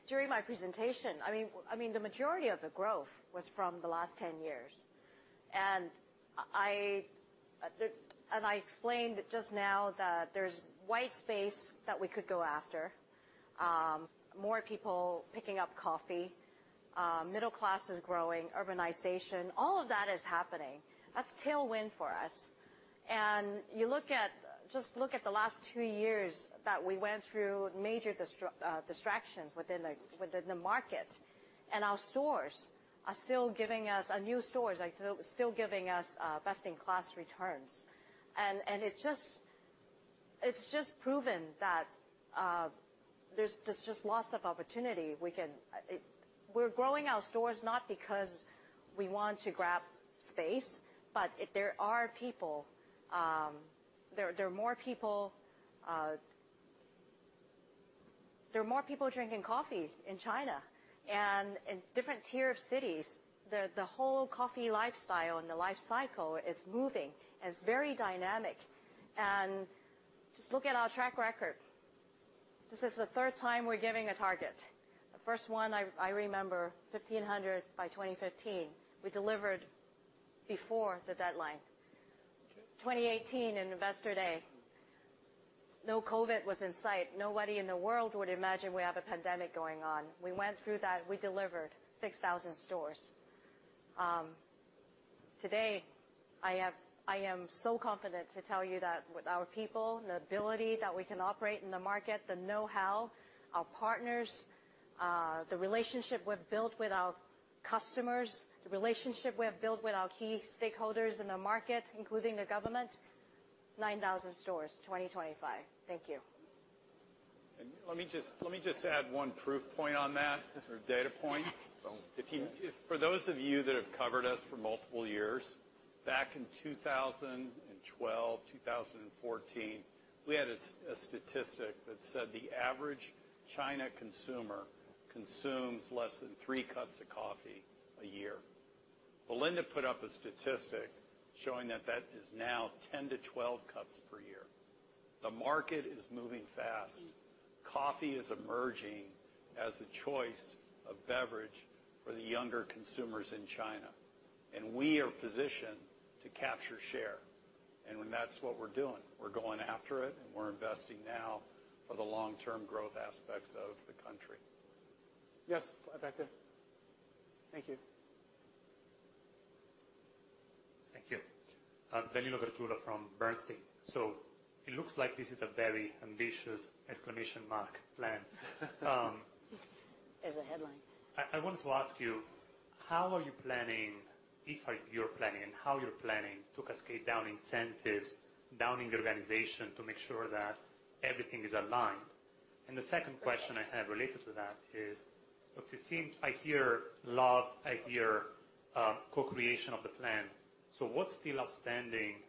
during my presentation, I mean, the majority of the growth was from the last 10 years. I explained just now that there's white space that we could go after, more people picking up coffee, middle class is growing, urbanization, all of that is happening. That's tailwind for us. Just look at the last two years that we went through major distractions within the market, and our new stores are still giving us best-in-class returns. It's just proven that there's just lots of opportunity. We're growing our stores not because we want to grab space, but there are people, there are more people drinking coffee in China and in different tier of cities. The whole coffee lifestyle and the life cycle is moving, and it's very dynamic. Just look at our track record. This is the third time we're giving a target. The first one I remember, 1,500 by 2015. We delivered before the deadline. 2018 in Investor Day. No COVID was in sight. Nobody in the world would imagine we have a pandemic going on. We went through that. We delivered 6,000 stores. Today, I am so confident to tell you that with our people, the ability that we can operate in the market, the know-how, our partners, the relationship we've built with our customers, the relationship we have built with our key stakeholders in the market, including the government, 9,000 stores, 2025. Thank you. Let me just add one proof point on that or data point. If for those of you that have covered us for multiple years, back in 2012, 2014, we had a statistic that said the average China consumer consumes less than three cups of coffee a year. Belinda put up a statistic showing that that is now 10-12 cups per year. The market is moving fast. Coffee is emerging as the choice of beverage for the younger consumers in China, and we are positioned to capture share. When that's what we're doing, we're going after it, and we're investing now for the long-term growth aspects of the country. Yes, back there. Thank you. Thank you. I'm Danilo Gargiulo from Bernstein. It looks like this is a very ambitious plan. As a headline. I wanted to ask you, how you're planning to cascade down incentives down in the organization to make sure that everything is aligned? The second question I have related to that is, it seems I hear a lot, co-creation of the plan. What's still outstanding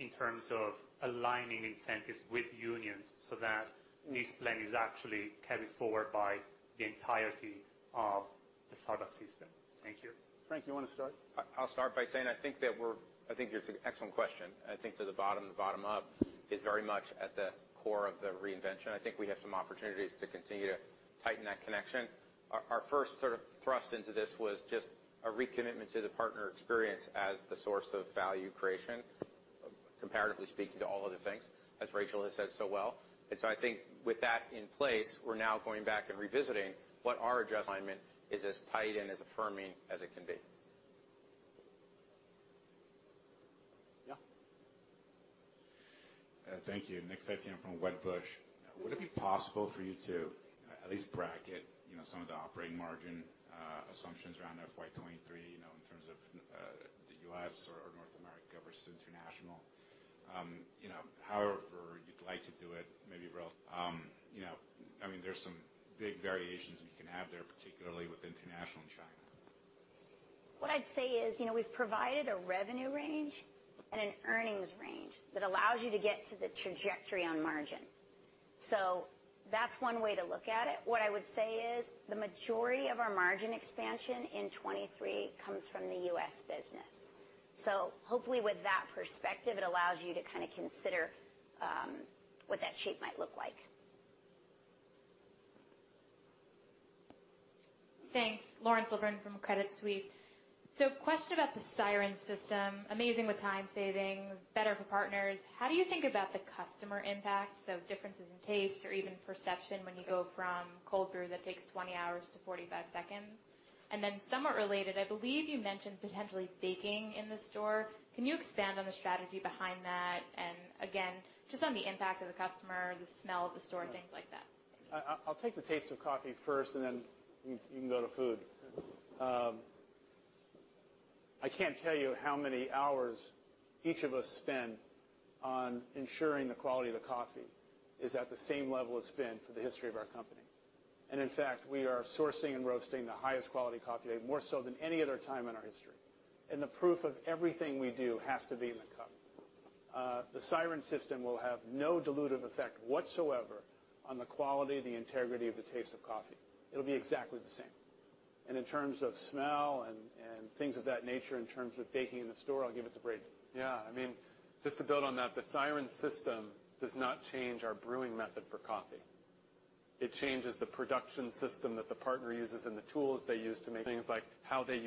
in terms of aligning incentives with unions so that this plan is actually carried forward by the entirety of the Starbucks system? Thank you. Frank, you wanna start? I'll start by saying I think it's an excellent question. I think that the bottom up is very much at the core of the reinvention. I think we have some opportunities to continue to tighten that connection. Our first sort of thrust into this was just a recommitment to the partner experience as the source of value creation, comparatively speaking to all other things, as Rachel has said so well. I think with that in place, we're now going back and revisiting what our adjustment is as tight and as affirming as it can be. Yeah. Thank you. Nick Setyan from Wedbush. Would it be possible for you to at least bracket, you know, some of the operating margin assumptions around FY 2023, you know, in terms of the U.S. or North America versus international? You know, however you'd like to do it, maybe you know, I mean, there's some big variations you can have there, particularly with international and China. What I'd say is, you know, we've provided a revenue range and an earnings range that allows you to get to the trajectory on margin. That's one way to look at it. What I would say is the majority of our margin expansion in 2023 comes from the US business. Hopefully, with that perspective, it allows you to kind of consider what that shape might look like. Thanks. Lauren Silberman from Credit Suisse. Question about the Siren System, amazing with time savings, better for partners. How do you think about the customer impact, so differences in taste or even perception when you go from cold brew that takes 20 hours to 45 seconds? Then somewhat related, I believe you mentioned potentially baking in the store. Can you expand on the strategy behind that, and again, just on the impact of the customer, the smell of the store, things like that? I'll take the taste of coffee first, and then you can go to food. I can't tell you how many hours each of us spend on ensuring the quality of the coffee is at the same level it's been for the history of our company. In fact, we are sourcing and roasting the highest quality coffee, more so than any other time in our history. The proof of everything we do has to be in the cup. The Siren System will have no dilutive effect whatsoever on the quality, the integrity of the taste of coffee. It'll be exactly the same. In terms of smell and things of that nature, in terms of baking in the store, I'll give it to Brady. Yeah. I mean, just to build on that, the Siren System does not change our brewing method for coffee. It changes the production system that the partner uses and the tools they use to make things like how they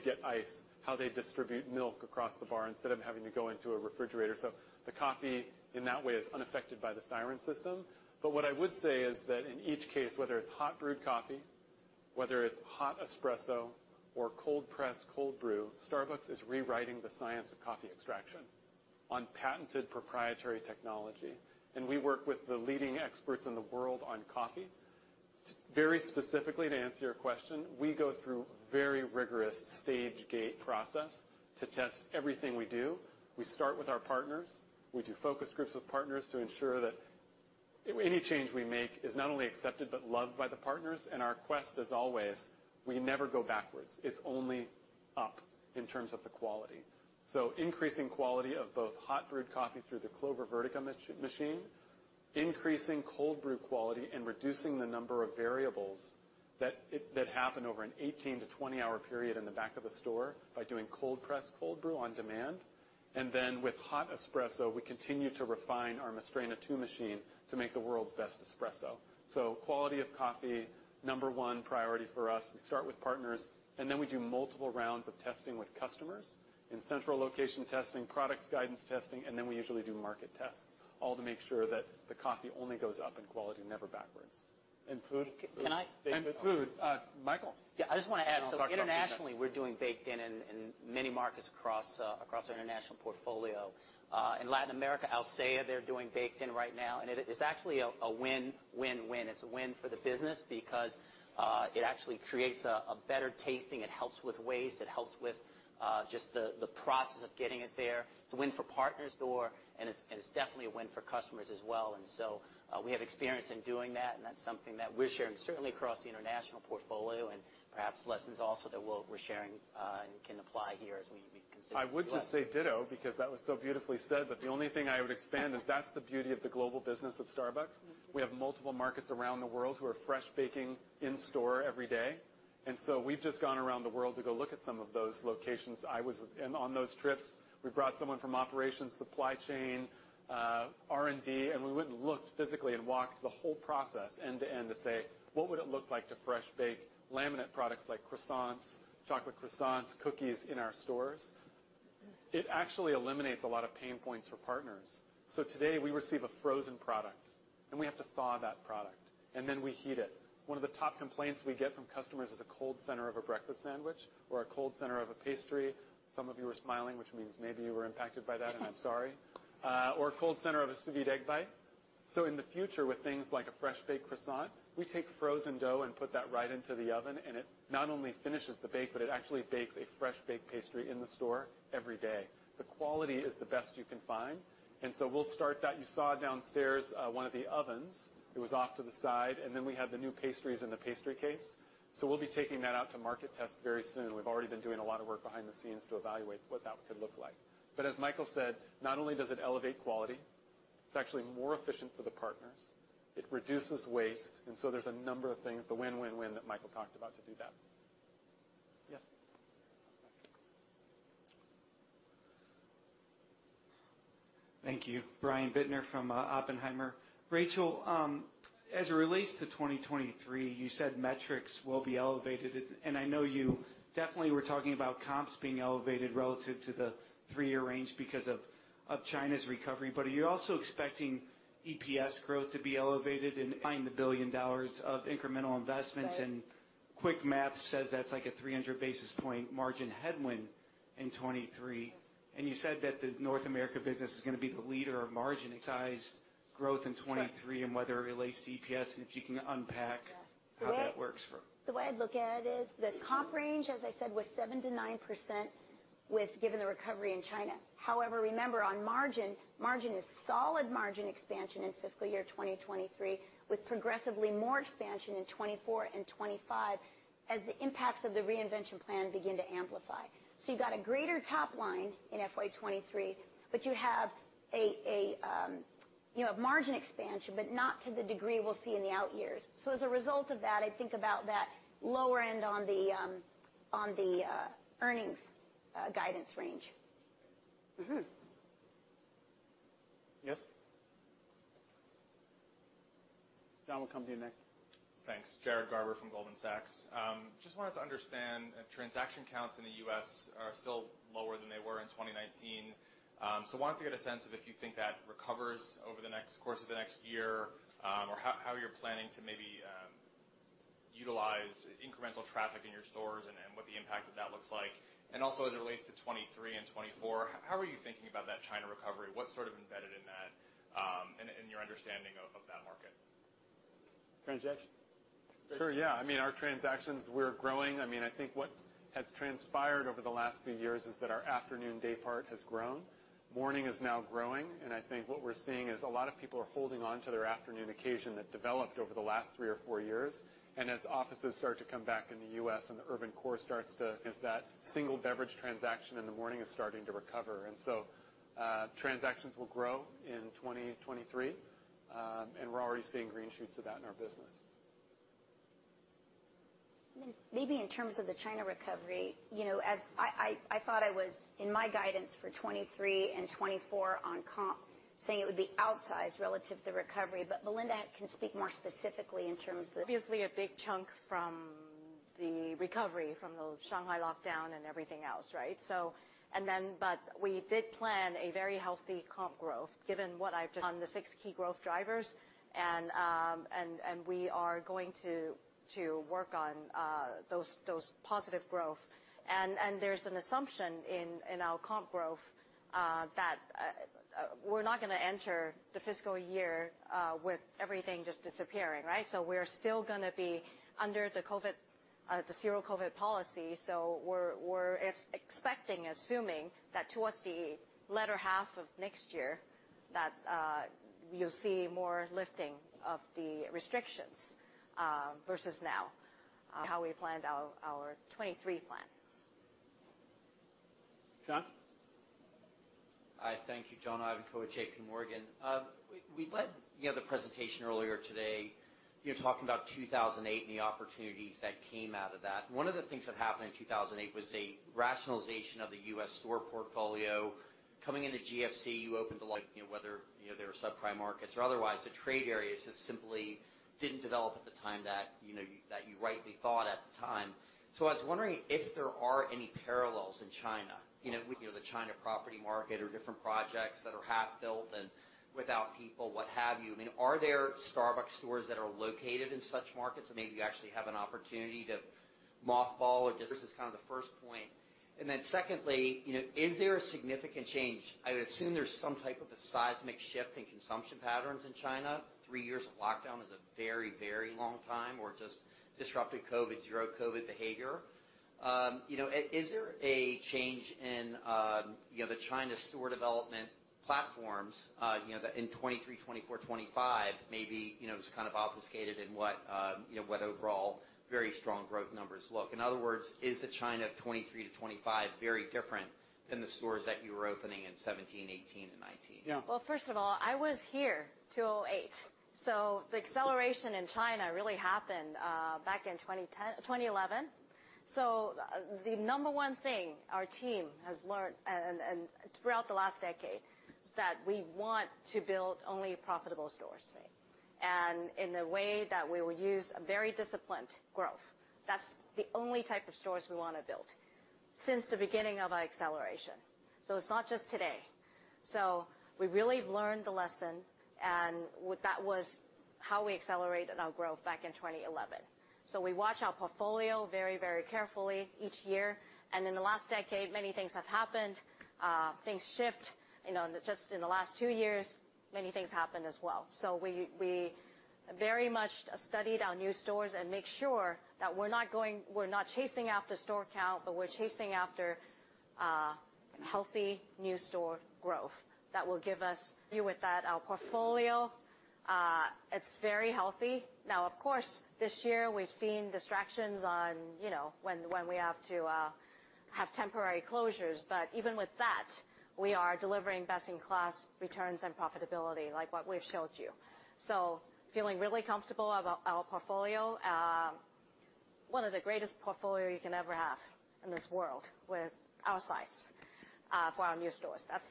get ice, how they distribute milk across the bar instead of having to go into a refrigerator. The coffee, in that way, is unaffected by the Siren System. What I would say is that in each case, whether it's hot brewed coffee, whether it's hot espresso or cold press, cold brew, Starbucks is rewriting the science of coffee extraction on patented proprietary technology, and we work with the leading experts in the world on coffee. Very specifically, to answer your question, we go through very rigorous stage gate process to test everything we do. We start with our partners. We do focus groups with partners to ensure that any change we make is not only accepted but loved by the partners. Our quest, as always, we never go backwards. It's only up in terms of the quality. Increasing quality of both hot brewed coffee through the Clover Vertica machine, increasing cold brew quality, and reducing the number of variables that happen over an 18-to-20-hour period in the back of a store by doing cold press, cold brew on demand. With hot espresso, we continue to refine our Mastrena II machine to make the world's best espresso. Quality of coffee, number one priority for us. We start with partners, and then we do multiple rounds of testing with customers in central location testing, products guidance testing, and then we usually do market tests, all to make sure that the coffee only goes up in quality, never backwards. Food? Can I food. Michael? I just want to add, internationally, we're doing baked in in many markets across our international portfolio. In Latin America, Alsea, they're doing baked in right now, and it is actually a win-win-win. It's a win for the business because it actually creates a better tasting. It helps with waste. It helps with just the process of getting it there. It's a win for partners store, and it's definitely a win for customers as well. We have experience in doing that, and that's something that we're sharing certainly across the international portfolio and perhaps lessons also that we're sharing and can apply here as we consider the U.S. I would just say ditto because that was so beautifully said. The only thing I would expand is that's the beauty of the global business of Starbucks. We have multiple markets around the world who are fresh baking in store every day. We've just gone around the world to go look at some of those locations, and on those trips, we brought someone from operations, supply chain, R&D, and we went and looked physically and walked the whole process end-to-end to say, "What would it look like to fresh bake laminate products like croissants, chocolate croissants, cookies in our stores?" It actually eliminates a lot of pain points for partners. Today, we receive a frozen product, and we have to thaw that product, and then we heat it. One of the top complaints we get from customers is a cold center of a breakfast sandwich or a cold center of a pastry. Some of you are smiling, which means maybe you were impacted by that, and I'm sorry. A cold center of a sous vide egg bite. In the future, with things like a fresh baked croissant, we take frozen dough and put that right into the oven, and it not only finishes the bake, but it actually bakes a fresh baked pastry in the store every day. The quality is the best you can find. We'll start that. You saw downstairs, one of the ovens, it was off to the side, and then we had the new pastries in the pastry case. We'll be taking that out to market test very soon. We've already been doing a lot of work behind the scenes to evaluate what that could look like. As Michael said, not only does it elevate quality, it's actually more efficient for the partners. It reduces waste. There's a number of things, the win-win-win that Michael talked about to do that. Yes. Thank you. Brian Bittner from Oppenheimer. Rachel, as it relates to 2023, you said metrics will be elevated. I know you definitely were talking about comps being elevated relative to the three-year range because of China's recovery. Are you also expecting EPS growth to be elevated in finding the $1 billion of incremental investments? Quick math says that's like a 300 basis point margin headwind in 2023. You said that the North America business is gonna be the leader of margin size growth in 2023. Whether it relates to EPS, and if you can unpack how that works for The way I'd look at it is the comp range, as I said, was 7%-9% with, given the recovery in China. However, remember, on margin, is solid margin expansion in fiscal year 2023, with progressively more expansion in 2024 and 2025 as the impacts of the reinvention plan begin to amplify. You got a greater top line in FY 2023, but you have margin expansion, but not to the degree we'll see in the out years. As a result of that, I think about that lower end on the earnings guidance range. Yes. John, we'll come to you next. Thanks. Jared Garber from Goldman Sachs. Just wanted to understand, transaction counts in the U.S. are still lower than they were in 2019. So wanted to get a sense of if you think that recovers over the course of the next year, or how you're planning to maybe utilize incremental traffic in your stores and what the impact of that looks like. Also, as it relates to 2023 and 2024, how are you thinking about that China recovery? What's sort of embedded in that, in your understanding of that market? Sure, yeah. I mean, our transactions, we're growing. I mean, I think what has transpired over the last few years is that our afternoon day part has grown. Morning is now growing, and I think what we're seeing is a lot of people are holding on to their afternoon occasion that developed over the last three or four years. As offices start to come back in the U.S. and the urban core starts to, and that single beverage transaction in the morning is starting to recover. Transactions will grow in 2023, and we're already seeing green shoots of that in our business. Maybe in terms of the China recovery, you know, as I thought I was, in my guidance for 2023 and 2024 on comp, saying it would be outsized relative to recovery. Belinda can speak more specifically in terms of- Obviously a big chunk from the recovery from the Shanghai lockdown and everything else, right? We did plan a very healthy comp growth given what I've just on the six key growth drivers, and we are going to work on those positive growth. There's an assumption in our comp growth that we're not gonna enter the fiscal year with everything just disappearing, right? We're still gonna be under the COVID the zero-COVID policy, we're expecting assuming that towards the latter half of next year that you'll see more lifting of the restrictions versus how we planned our 2023 plan. John? Hi. Thank you, John Ivankoe at JPMorgan. We led, you know, the presentation earlier today. You're talking about 2008 and the opportunities that came out of that. One of the things that happened in 2008 was a rationalization of the U.S. store portfolio. Coming into GFC, you opened a lot, you know, whether, you know, there were subprime markets or otherwise, the trade areas just simply didn't develop at the time that, you know, that you rightly thought at the time. I was wondering if there are any parallels in China, you know, with, you know, the China property market or different projects that are half built and without people, what have you. I mean, are there Starbucks stores that are located in such markets that maybe you actually have an opportunity to mothball or just? This is kind of the first point. Secondly, you know, is there a significant change? I would assume there's some type of a seismic shift in consumption patterns in China. Three years of lockdown is a very, very long time or just disruptive COVID, zero COVID behavior. You know, is there a change in, you know, the China store development platforms, you know, that in 2023, 2024, 2025, maybe, you know, just kind of obfuscated in what, you know, what overall very strong growth numbers look. In other words, is the China 2023-2025 very different than the stores that you were opening in 2017, 2018, and 2019? Well, first of all, I was here 2008, so the acceleration in China really happened back in 2011. The number one thing our team has learned and throughout the last decade is that we want to build only profitable stores. In the way that we will use a very disciplined growth. That's the only type of stores we wanna build since the beginning of our acceleration. It's not just today. We really learned the lesson, and with that was how we accelerated our growth back in 2011. We watch our portfolio very, very carefully each year, and in the last decade, many things have happened. Things shift, you know, just in the last two years, many things happened as well. We very much studied our new stores and make sure that we're not chasing after store count, but we're chasing after healthy new store growth that will give us. You with that, our portfolio, it's very healthy. Now, of course, this year we've seen distractions on, you know, when we have to have temporary closures. But even with that, we are delivering best-in-class returns and profitability like what we've showed you. Feeling really comfortable about our portfolio. One of the greatest portfolio you can ever have in this world with our size for our new stores. That's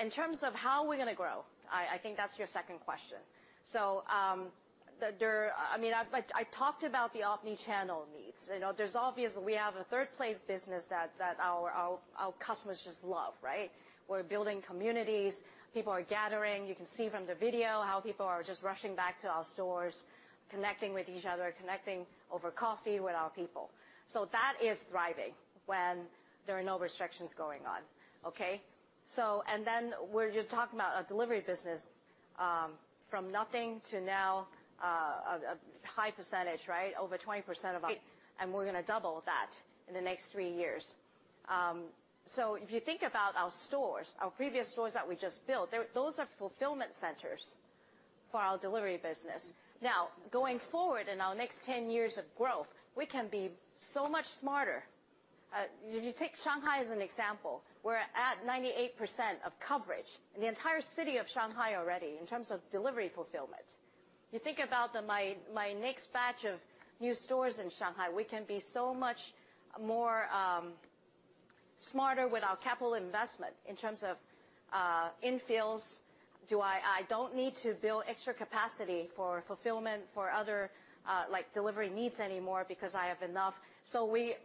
In terms of how we're gonna grow, I think that's your second question. I mean, like I talked about the omni-channel needs. There's obviously we have a third place business that our customers just love, right? We're building communities, people are gathering. You can see from the video how people are just rushing back to our stores, connecting with each other, connecting over coffee with our people. That is thriving when there are no restrictions going on. Okay? And then where you're talking about a delivery business, from nothing to now, a high percentage, right? Over 20% of our... We're gonna double that in the next three years. If you think about our stores, our purpose-built stores that we just built, those are fulfillment centers for our delivery business. Now, going forward in our next 10 years of growth, we can be so much smarter. If you take Shanghai as an example, we're at 98% of coverage in the entire city of Shanghai already in terms of delivery fulfillment. You think about my next batch of new stores in Shanghai, we can be so much more smarter with our capital investment in terms of infills. I don't need to build extra capacity for fulfillment for other, like, delivery needs anymore because I have enough.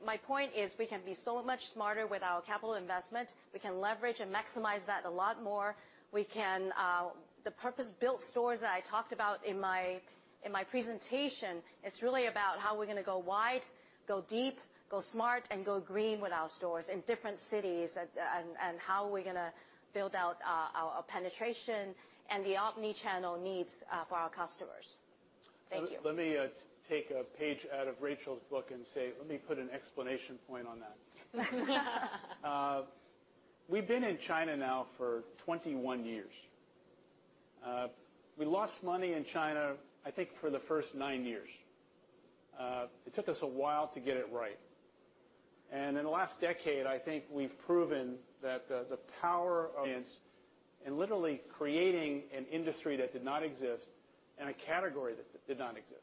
My point is, we can be so much smarter with our capital investment. We can leverage and maximize that a lot more. The purpose-built stores that I talked about in my presentation, it's really about how we're gonna go wide, go deep, go smart, and go green with our stores in different cities, and how we're gonna build out our penetration and the omni-channel needs for our customers. Thank you. Let me take a page out of Rachel's book and say, let me put an exclamation point on that. We've been in China now for 21 years. We lost money in China, I think, for the first nine years. It took us a while to get it right. In the last decade, I think we've proven that the power of and literally creating an industry that did not exist and a category that did not exist.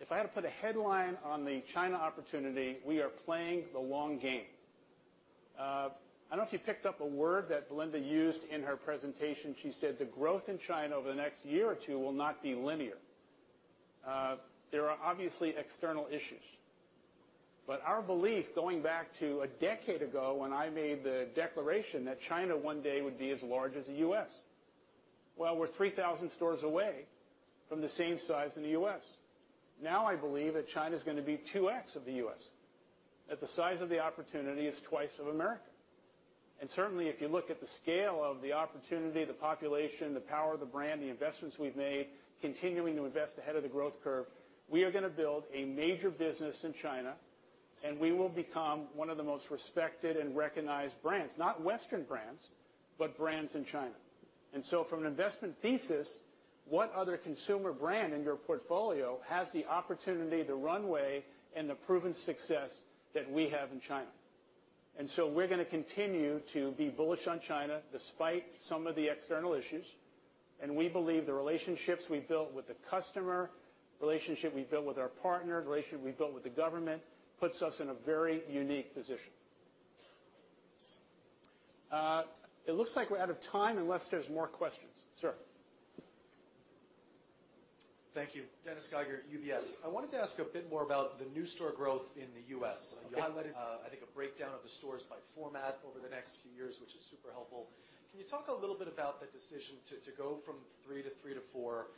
If I had to put a headline on the China opportunity, we are playing the long game. I don't know if you picked up a word that Belinda used in her presentation. She said the growth in China over the next year or two will not be linear. There are obviously external issues, but our belief going back to a decade ago, when I made the declaration that China one day would be as large as the U.S. Well, we're 3,000 stores away from the same size in the U.S. Now, I believe that China is going to be 2x of the U.S., that the size of the opportunity is twice of America. Certainly, if you look at the scale of the opportunity, the population, the power of the brand, the investments we've made, continuing to invest ahead of the growth curve, we are going to build a major business in China, and we will become one of the most respected and recognized brands, not Western brands, but brands in China. From an investment thesis, what other consumer brand in your portfolio has the opportunity, the runway, and the proven success that we have in China? We're going to continue to be bullish on China despite some of the external issues. We believe the relationships we've built with the customer, relationship we've built with our partner, relationship we've built with the government, puts us in a very unique position. It looks like we're out of time unless there's more questions. Thank you. Dennis Geiger, UBS. I wanted to ask a bit more about the new store growth in the U.S. You highlighted, I think a breakdown of the stores by format over the next few years, which is super helpful. Can you talk a little bit about the decision to go from three to four?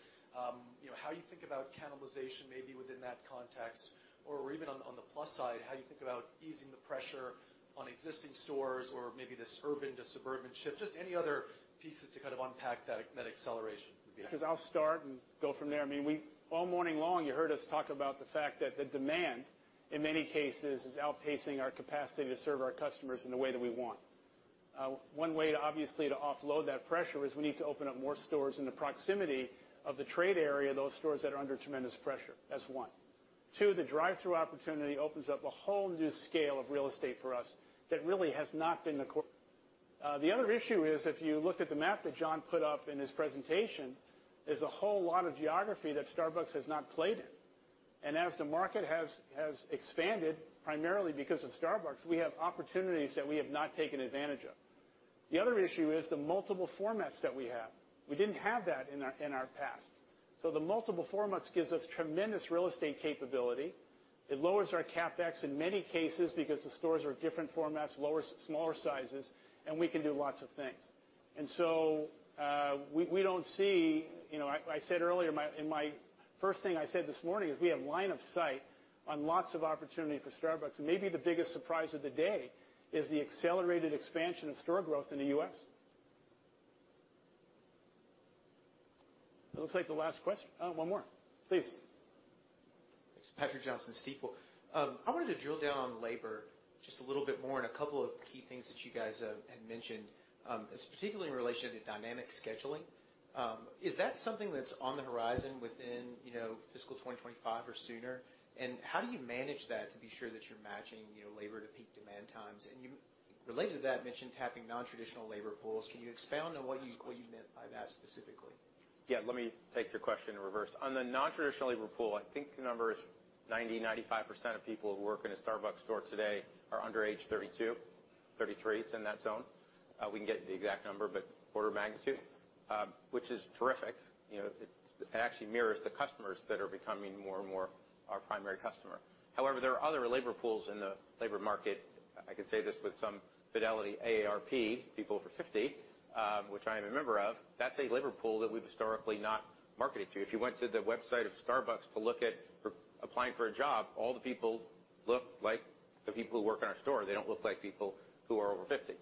You know, how you think about cannibalization maybe within that context or even on the plus side, how you think about easing the pressure on existing stores or maybe this urban to suburban shift? Just any other pieces to kind of unpack that acceleration would be helpful. Because I'll start and go from there. I mean, we all morning long, you heard us talk about the fact that the demand, in many cases, is outpacing our capacity to serve our customers in the way that we want. One way to obviously to offload that pressure is we need to open up more stores in the proximity of the trade area, those stores that are under tremendous pressure. That's one. Two, the drive-thru opportunity opens up a whole new scale of real estate for us that really has not been the core. The other issue is, if you look at the map that John put up in his presentation, there's a whole lot of geography that Starbucks has not played in. As the market has expanded, primarily because of Starbucks, we have opportunities that we have not taken advantage of. The other issue is the multiple formats that we have. We didn't have that in our past. The multiple formats gives us tremendous real estate capability. It lowers our CapEx in many cases because the stores are different formats, smaller sizes, and we can do lots of things. We don't see, you know, I said earlier, in my first thing I said this morning is we have line of sight on lots of opportunity for Starbucks. Maybe the biggest surprise of the day is the accelerated expansion of store growth in the U.S. It looks like the last question. Oh, one more. Please. It's Chris O'Cull, Stifel. I wanted to drill down on labor just a little bit more on a couple of key things that you guys had mentioned, particularly in relation to dynamic scheduling. Is that something that's on the horizon within, you know, fiscal 2025 or sooner? And how do you manage that to be sure that you're matching, you know, labor to peak demand times? And you, related to that, mentioned tapping non-traditional labor pools. Can you expound on what you meant by that specifically? Yeah. Let me take your question in reverse. On the non-traditional labor pool, I think the number is 90%-95% of people who work in a Starbucks store today are under age 32-33. It's in that zone. We can get the exact number, but order of magnitude, which is terrific. You know, it actually mirrors the customers that are becoming more and more our primary customer. However, there are other labor pools in the labor market. I can say this with some fidelity. AARP, people over 50, which I am a member of, that's a labor pool that we've historically not marketed to. If you went to the website of Starbucks to look at applying for a job, all the people look like the people who work in our store. They don't look like people who are over 50.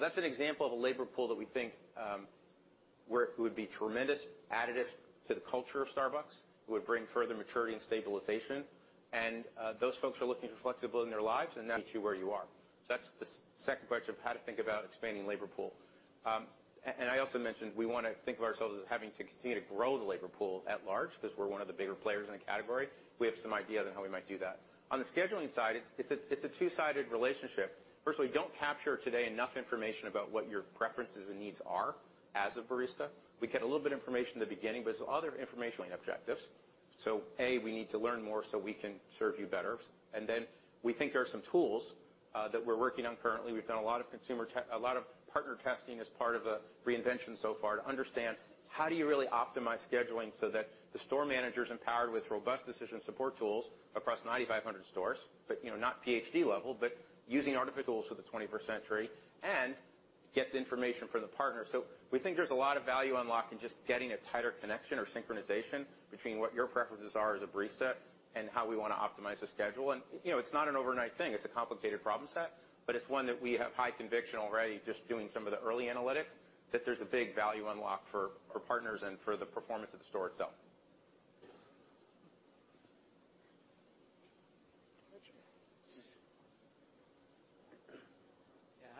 That's an example of a labor pool that we think, where it would be tremendous additive to the culture of Starbucks. It would bring further maturity and stabilization, and those folks are looking for flexibility in their lives, and that's where you are. That's the second question of how to think about expanding labor pool. I also mentioned we wanna think of ourselves as having to continue to grow the labor pool at large, 'cause we're one of the bigger players in the category. We have some ideas on how we might do that. On the scheduling side, it's a two-sided relationship. Firstly, we don't capture today enough information about what your preferences and needs are as a barista. We get a little bit information at the beginning, but there's other information objectives. A, we need to learn more so we can serve you better. We think there are some tools that we're working on currently. We've done a lot of partner testing as part of a reinvention so far to understand how do you really optimize scheduling so that the store manager's empowered with robust decision support tools across 9,500 stores, but, you know, not PhD level, but using artificial tools for the twenty-first century and get the information from the partner. We think there's a lot of value unlocked in just getting a tighter connection or synchronization between what your preferences are as a barista and how we wanna optimize the schedule. You know, it's not an overnight thing. It's a complicated problem set, but it's one that we have high conviction already, just doing some of the early analytics, that there's a big value unlock for partners and for the performance of the store itself.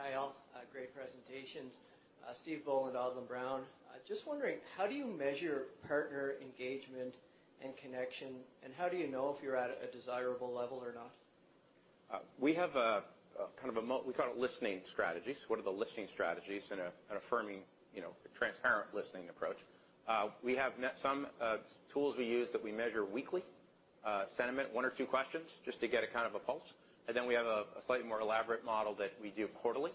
Yeah. Hi, all. Great presentations. Stephen Boland. Just wondering, how do you measure partner engagement and connection, and how do you know if you're at a desirable level or not? We have a kind of a model we call it listening strategies. What are the listening strategies in an affirming, you know, a transparent listening approach. We have some tools we use that we measure weekly sentiment, one or two questions just to get a kind of a pulse. Then we have a slightly more elaborate model that we do quarterly.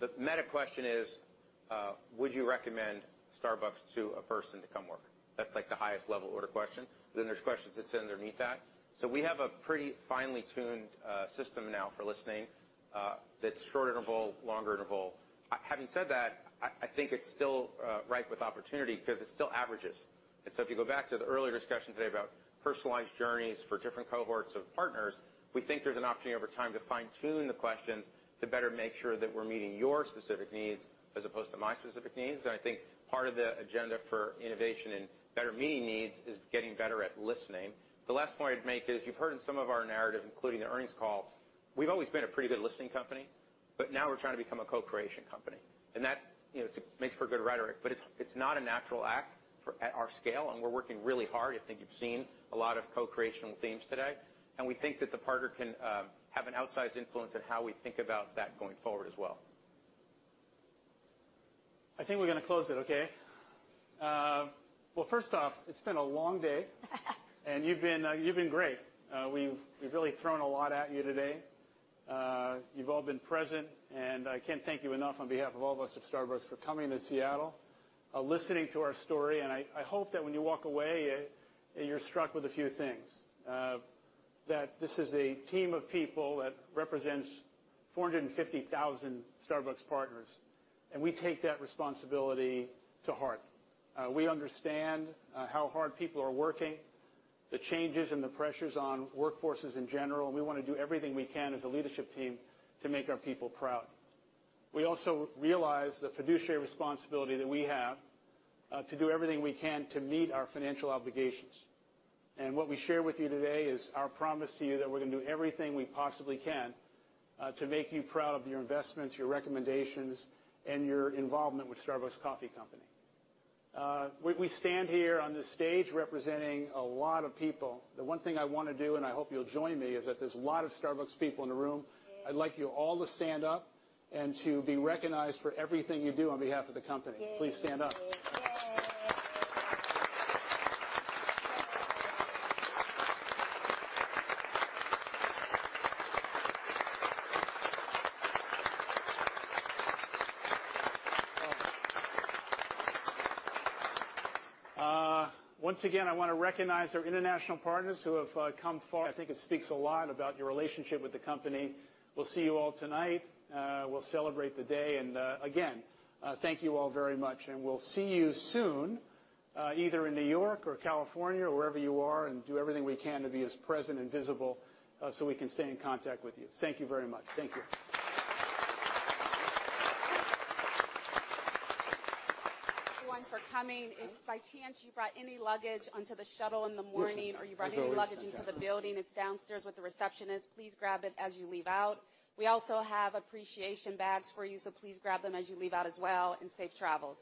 The meta question is, would you recommend Starbucks to a person to come work? That's, like, the highest level order question. Then there's questions that sit underneath that. We have a pretty finely tuned system now for listening, that's short interval, longer interval. Having said that, I think it's still ripe with opportunity 'cause it still averages. If you go back to the earlier discussion today about personalized journeys for different cohorts of partners, we think there's an opportunity over time to fine-tune the questions to better make sure that we're meeting your specific needs as opposed to my specific needs. I think part of the agenda for innovation and better meeting needs is getting better at listening. The last point I'd make is you've heard in some of our narrative, including the earnings call, we've always been a pretty good listening company, but now we're trying to become a co-creation company. That, you know, it makes for good rhetoric, but it's not a natural act at our scale, and we're working really hard. I think you've seen a lot of co-creational themes today, and we think that the partner can have an outsized influence in how we think about that going forward as well. I think we're gonna close it, okay? Well, first off, it's been a long day. You've been great. We've really thrown a lot at you today. You've all been present, and I can't thank you enough on behalf of all of us at Starbucks for coming to Seattle, listening to our story. I hope that when you walk away, you're struck with a few things, that this is a team of people that represents 450,000 Starbucks partners, and we take that responsibility to heart. We understand how hard people are working, the changes and the pressures on workforces in general. We wanna do everything we can as a leadership team to make our people proud. We also realize the fiduciary responsibility that we have to do everything we can to meet our financial obligations. What we share with you today is our promise to you that we're gonna do everything we possibly can to make you proud of your investments, your recommendations, and your involvement with Starbucks Coffee Company. We stand here on this stage representing a lot of people. The one thing I wanna do, and I hope you'll join me, is that there's a lot of Starbucks people in the room. I'd like you all to stand up and to be recognized for everything you do on behalf of the company. Please stand up. Once again, I wanna recognize our international partners who have come far. I think it speaks a lot about your relationship with the company. We'll see you all tonight. We'll celebrate the day. Again, thank you all very much. We'll see you soon, either in New York or California or wherever you are, and do everything we can to be as present and visible, so we can stay in contact with you. Thank you very much. Thank you. Thank you, everyone, for coming. If by chance you brought any luggage onto the shuttle in the morning. If you brought any luggage into the building, it's downstairs with the receptionist. Please grab it as you leave. We also have appreciation bags for you, so please grab them as you leave as well, and safe travels.